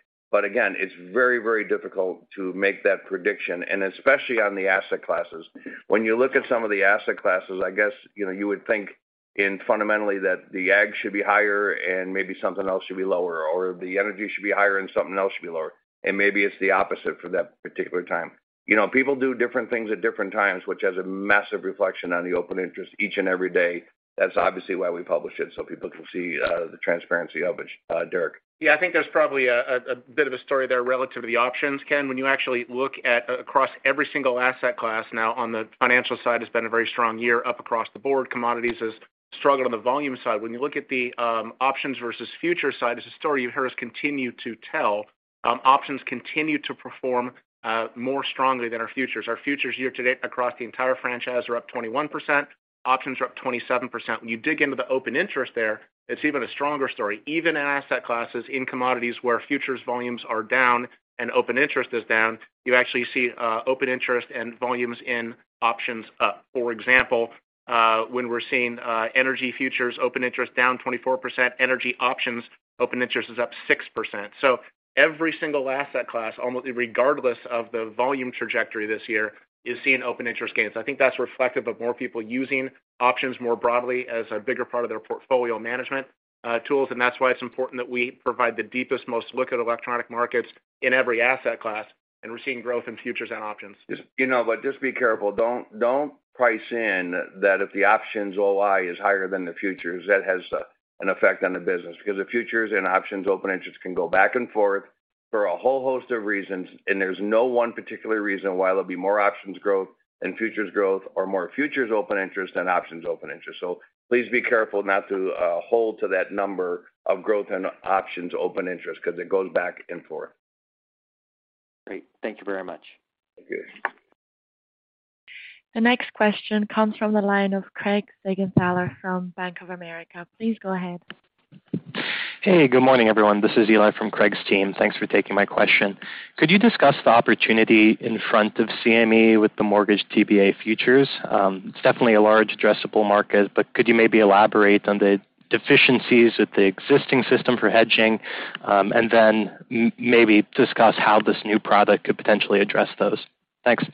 Again, it's very, very difficult to make that prediction and especially on the asset classes. When you look at some of the asset classes, I guess, you know, you would think in fundamentally that the ag should be higher and maybe something else should be lower, or the energy should be higher and something else should be lower. And maybe it's the opposite for that particular time. You know, people do different things at different times, which has a massive reflection on the open interest each and every day. That's obviously why we publish it, so people can see the transparency of it. Derek. Yeah, I think there's probably a bit of a story there relative to the options, Ken. When you actually look across every single asset class now on the financial side has been a very strong year up across the board. Commodities has struggled on the volume side. When you look at the options versus futures side, it's a story you hear us continue to tell. Options continue to perform more strongly than our futures. Our futures year-to-date across the entire franchise are up 21%, options are up 27%. When you dig into the open interest there, it's even a stronger story. Even in asset classes in commodities where futures volumes are down and open interest is down, you actually see open interest and volumes in options up. For example, when we're seeing energy futures open interest down 24%, energy options open interest is up 6%. Every single asset class, almost regardless of the volume trajectory this year, is seeing open interest gains. I think that's reflective of more people using options more broadly as a bigger part of their portfolio management tools. That's why it's important that we provide the deepest, most liquid electronic markets in every asset class, and we're seeing growth in futures and options. Just, you know, but just be careful. Don't price in that if the options OI is higher than the futures, that has an effect on the business because the futures and options open interest can go back and forth for a whole host of reasons. There's no one particular reason why there'll be more options growth and futures growth or more futures open interest and options open interest. Please be careful not to hold to that number of growth in options open interest 'cause it goes back and forth. Great. Thank you very much. Thank you. The next question comes from the line of Craig Siegenthaler from Bank of America. Please go ahead. Hey, good morning, everyone. This is Eli from Craig's team. Thanks for taking my question. Could you discuss the opportunity in front of CME with the mortgage TBA futures? It's definitely a large addressable market, but could you maybe elaborate on the deficiencies with the existing system for hedging, and then maybe discuss how this new product could potentially address those? Thanks. Thanks,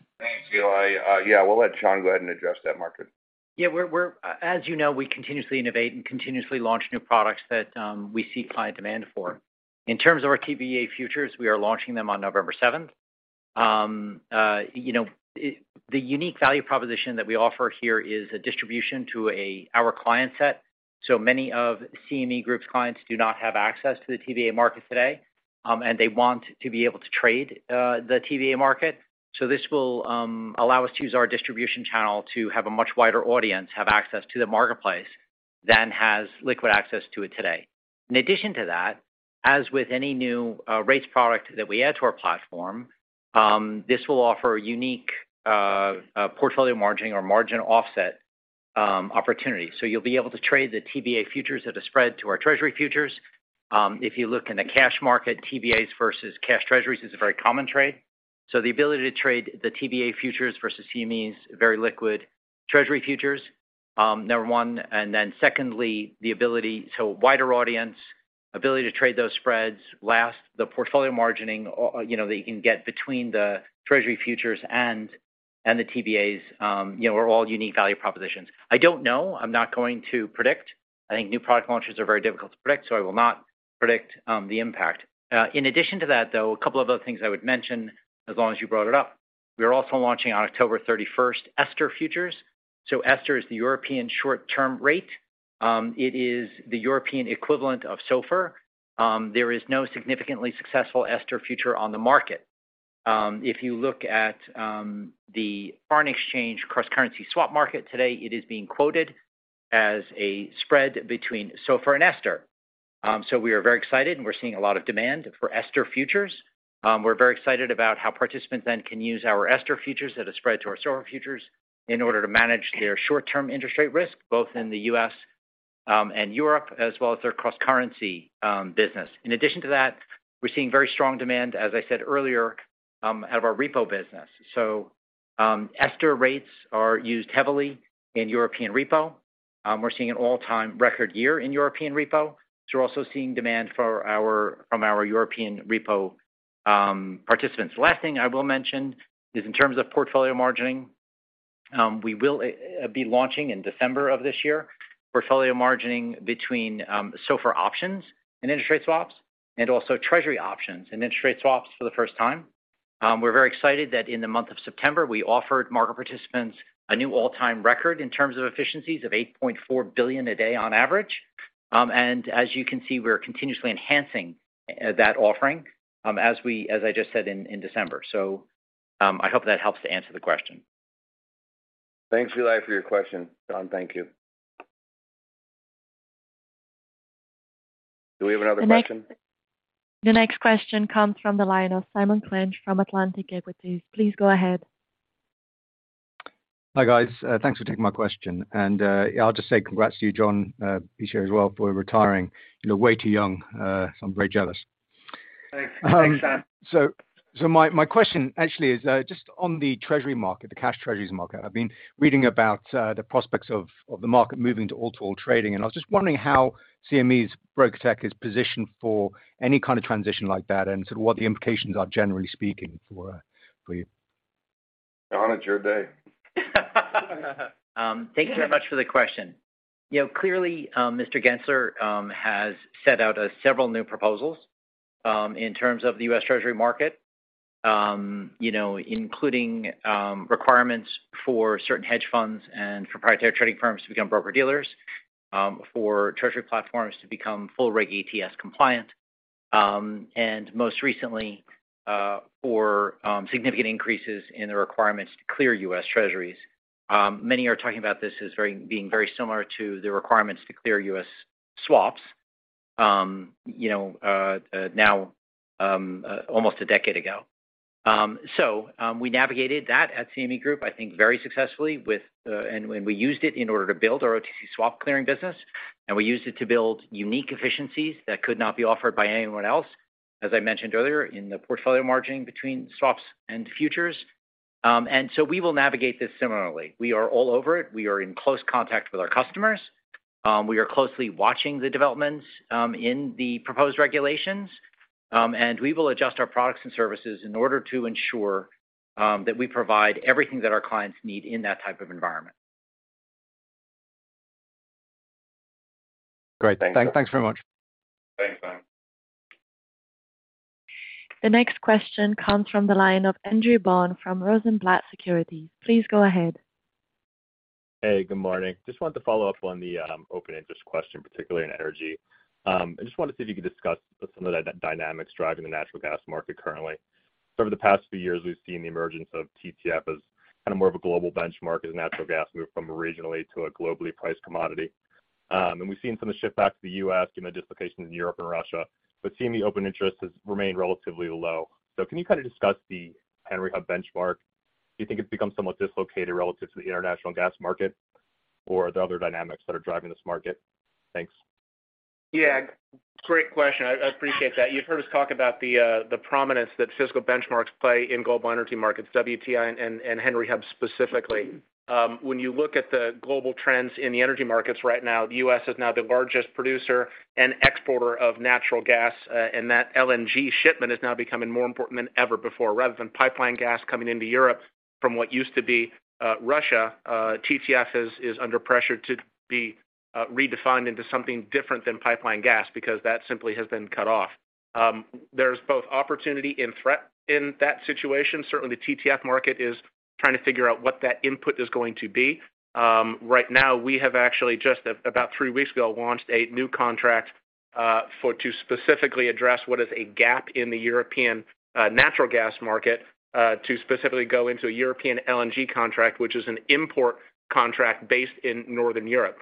Eli. Yeah, we'll let Sean go ahead and address that market. Yeah, as you know, we continuously innovate and continuously launch new products that we see client demand for. In terms of our TBA futures, we are launching them on November seventh. You know, the unique value proposition that we offer here is a distribution to our client set. Many of CME Group's clients do not have access to the TBA market today, and they want to be able to trade the TBA market. This will allow us to use our distribution channel to have a much wider audience have access to the marketplace than has liquid access to it today. In addition to that, as with any new rates product that we add to our platform, this will offer unique portfolio margining or margin offset opportunity. You'll be able to trade the TBA futures at a spread to our Treasury futures. If you look in the cash market, TBAs versus cash Treasuries is a very common trade. The ability to trade the TBA futures versus CME's very liquid Treasury futures, number one, and then secondly, the ability to a wider audience, the ability to trade those spreads, last, the portfolio margining that you can get between the Treasury futures and the TBAs are all unique value propositions. I don't know, I'm not going to predict. I think new product launches are very difficult to predict, so I will not predict the impact. In addition to that, though, a couple of other things I would mention as long as you brought it up, we are also launching on October 31, €STR futures. €STR is the European short-term rate. It is the European equivalent of SOFR. There is no significantly successful €STR future on the market. If you look at the foreign exchange cross-currency swap market today, it is being quoted as a spread between SOFR and €STR. We are very excited and we're seeing a lot of demand for €STR futures. We're very excited about how participants then can use our €STR futures that have spread to our SOFR futures in order to manage their short-term interest rate risk, both in the US and Europe, as well as their cross-currency business. In addition to that, we're seeing very strong demand, as I said earlier, out of our repo business. €STR rates are used heavily in European repo. We're seeing an all-time record year in European repo. We're also seeing demand from our European repo participants. The last thing I will mention is in terms of portfolio margining, we will be launching in December of this year, portfolio margining between SOFR options and interest rate swaps, and also Treasury options and interest rate swaps for the first time. We're very excited that in the month of September, we offered market participants a new all-time record in terms of efficiencies of $8.4 billion a day on average. And as you can see, we're continuously enhancing that offering, as I just said in December. I hope that helps to answer the question. Thanks, Eli, for your question. Sean, thank you. Do we have another question? The next question comes from the line of Simon Clinch from Atlantic Equities. Please go ahead. Hi, guys. Thanks for taking my question. I'll just say congrats to you, John Peschier as well, for retiring, you know, way too young, so I'm very jealous. [crosstalk] My question actually is just on the treasury market, the cash treasuries market. I've been reading about the prospects of the market moving to all-to-all trading, and I was just wondering how CME's BrokerTec is positioned for any kind of transition like that and sort of what the implications are, generally speaking for you. Sean, it's your day. Thank you very much for the question. You know, clearly, Mr. Gensler has set out several new proposals in terms of the U.S. Treasury market, you know, including requirements for certain hedge funds and proprietary trading firms to become broker-dealers, for Treasury platforms to become full Regulation ATS compliant, and most recently, for significant increases in the requirements to clear U.S. Treasuries. Many are talking about this as being very similar to the requirements to clear U.S. swaps, you know, now, almost a decade ago. We navigated that at CME Group, I think, very successfully, and we used it in order to build our OTC swap clearing business, and we used it to build unique efficiencies that could not be offered by anyone else, as I mentioned earlier, in the portfolio margining between swaps and futures. We will navigate this similarly. We are all over it. We are in close contact with our customers. We are closely watching the developments in the proposed regulations, and we will adjust our products and services in order to ensure that we provide everything that our clients need in that type of environment. Great. Thanks very much. Thanks, Simon. The next question comes from the line of Andrew Bond from Rosenblatt Securities. Please go ahead. Hey, good morning. Just wanted to follow up on the open interest question, particularly in energy. I just wanted to see if you could discuss some of the dynamics driving the natural gas market currently. Over the past few years, we've seen the emergence of TTF as kind of more of a global benchmark as natural gas moved from a regionally to a globally priced commodity. We've seen some of the shift back to the U.S., given the dislocations in Europe and Russia, but CME open interest has remained relatively low. Can you kind of discuss the Henry Hub benchmark? Do you think it's become somewhat dislocated relative to the international gas market or the other dynamics that are driving this market? Thanks. Yeah. Great question. I appreciate that. You've heard us talk about the prominence that physical benchmarks play in global energy markets, WTI and Henry Hub specifically. When you look at the global trends in the energy markets right now, the U.S. is now the largest producer and exporter of natural gas, and that LNG shipment is now becoming more important than ever before. Rather than pipeline gas coming into Europe from what used to be Russia, TTF is under pressure to be redefined into something different than pipeline gas because that simply has been cut off. There's both opportunity and threat in that situation. Certainly, TTF market is trying to figure out what that input is going to be. Right now we have actually just about three weeks ago launched a new contract to specifically address what is a gap in the European natural gas market to specifically go into a European LNG contract, which is an import contract based in Northern Europe.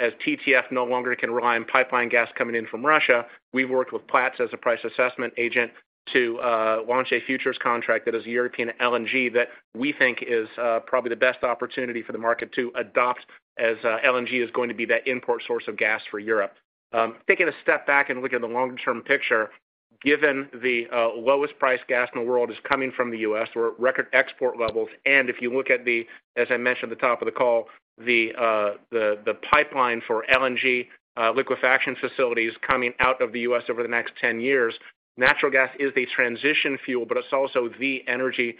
As TTF no longer can rely on pipeline gas coming in from Russia, we've worked with Platts as a price assessment agent to launch a futures contract that is European LNG that we think is probably the best opportunity for the market to adopt as LNG is going to be that import source of gas for Europe. Taking a step back and looking at the long-term picture Given the lowest price gas in the world is coming from the U.S., we're at record export levels. If you look at, as I mentioned at the top of the call, the pipeline for LNG liquefaction facilities coming out of the U.S. over the next ten years, natural gas is a transition fuel, but it's also the energy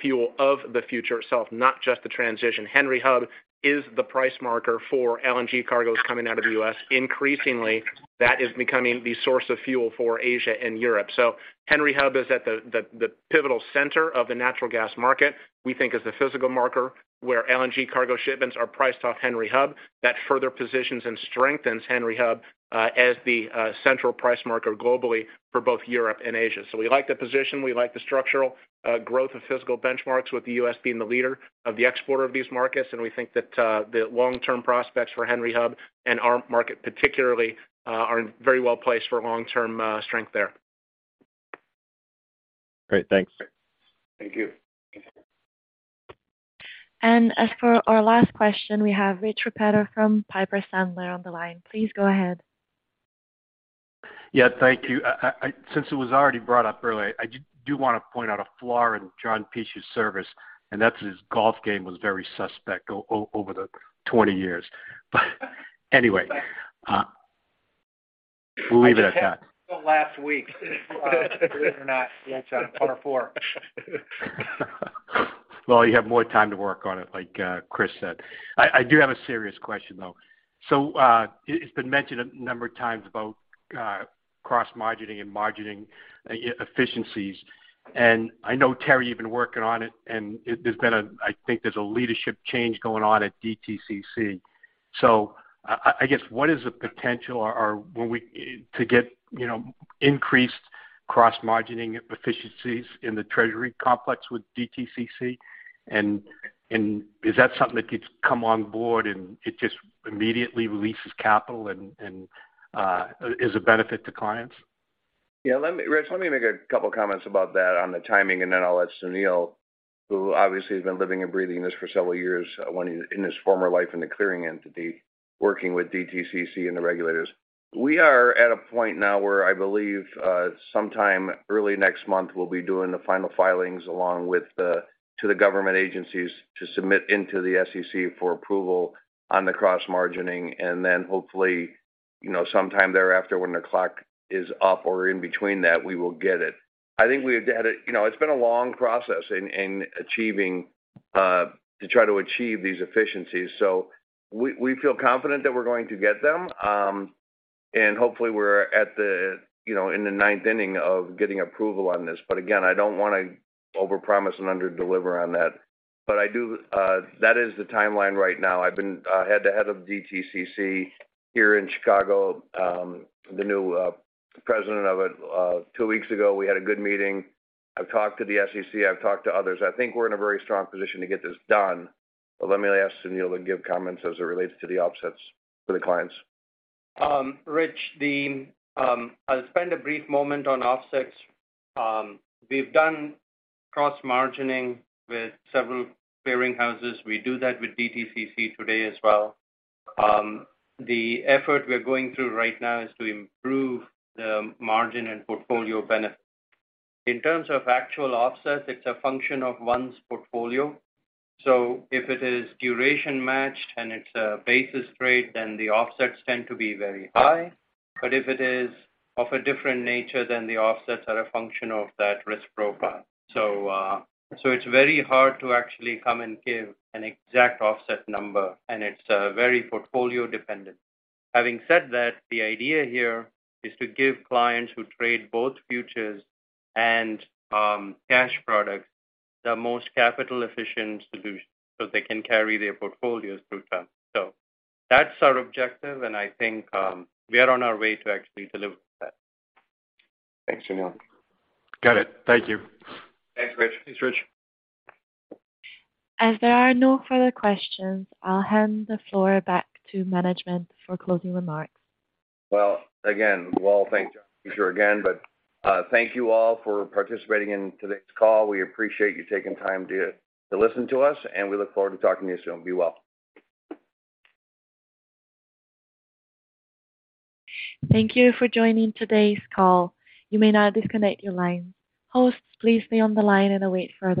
fuel of the future itself, not just the transition. Henry Hub is the price marker for LNG cargos coming out of the U.S. Increasingly, that is becoming the source of fuel for Asia and Europe. Henry Hub is at the pivotal center of the natural gas market. We think as the physical marker where LNG cargo shipments are priced off Henry Hub, that further positions and strengthens Henry Hub as the central price marker globally for both Europe and Asia. We like the position, we like the structural growth of physical benchmarks with the U.S. being the leading exporter of these markets. We think that the long-term prospects for Henry Hub and our market particularly are very well placed for long-term strength there. Great. Thanks. Thank you. As for our last question, we have Rich Repetto from Piper Sandler on the line. Please go ahead. Yeah, thank you. I since it was already brought up earlier, I do want to point out a flaw in John Peschier's service, and that's his golf game was very suspect over the 20 years. Anyway, we'll leave it at that. Until last week. Believe it or not, he had a par four. Well, you have more time to work on it, like Chris said. I do have a serious question, though. It's been mentioned a number of times about cross-margining and margining efficiencies. I know, Terry, you've been working on it, and I think there's a leadership change going on at DTCC. I guess, what is the potential or when to get, you know, increased cross-margining efficiencies in the Treasury complex with DTCC? Is that something that could come on board and it just immediately releases capital and is a benefit to clients? Yeah. Let me, Rich, let me make a couple comments about that on the timing, and then I'll let Sunil, who obviously has been living and breathing this for several years when he in his former life in the clearing entity, working with DTCC and the regulators. We are at a point now where I believe, sometime early next month, we'll be doing the final filings along with to the government agencies to submit into the SEC for approval on the cross-margining. Then hopefully, you know, sometime thereafter when the clock is up or in between that, we will get it. I think we've had a. You know, it's been a long process in achieving to try to achieve these efficiencies. We feel confident that we're going to get them. Hopefully we're at the, you know, in the ninth inning of getting approval on this. Again, I don't wanna overpromise and underdeliver on that. I do. That is the timeline right now. I've been head-to-head with DTCC here in Chicago, the new president of it two weeks ago. We had a good meeting. I've talked to the SEC, I've talked to others. I think we're in a very strong position to get this done. Let me ask Sunil to give comments as it relates to the offsets for the clients. Rich, I'll spend a brief moment on offsets. We've done cross-margining with several clearing houses. We do that with DTCC today as well. The effort we are going through right now is to improve the margin and portfolio benefit. In terms of actual offsets, it's a function of one's portfolio. If it is duration matched and it's a basis rate, then the offsets tend to be very high. If it is of a different nature, then the offsets are a function of that risk profile. It's very hard to actually come and give an exact offset number, and it's very portfolio dependent. Having said that, the idea here is to give clients who trade both futures and cash products the most capital efficient solution, so they can carry their portfolios through time. That's our objective, and I think, we are on our way to actually deliver that. Thanks, Sunil. Got it. Thank you. Thanks, Rich. Thanks, Rich. As there are no further questions, I'll hand the floor back to management for closing remarks. Well, again, we all thank John Peschier again, but thank you all for participating in today's call. We appreciate you taking time to listen to us, and we look forward to talking to you soon. Be well. Thank you for joining today's call. You may now disconnect your line. Hosts, please stay on the line and await further instructions.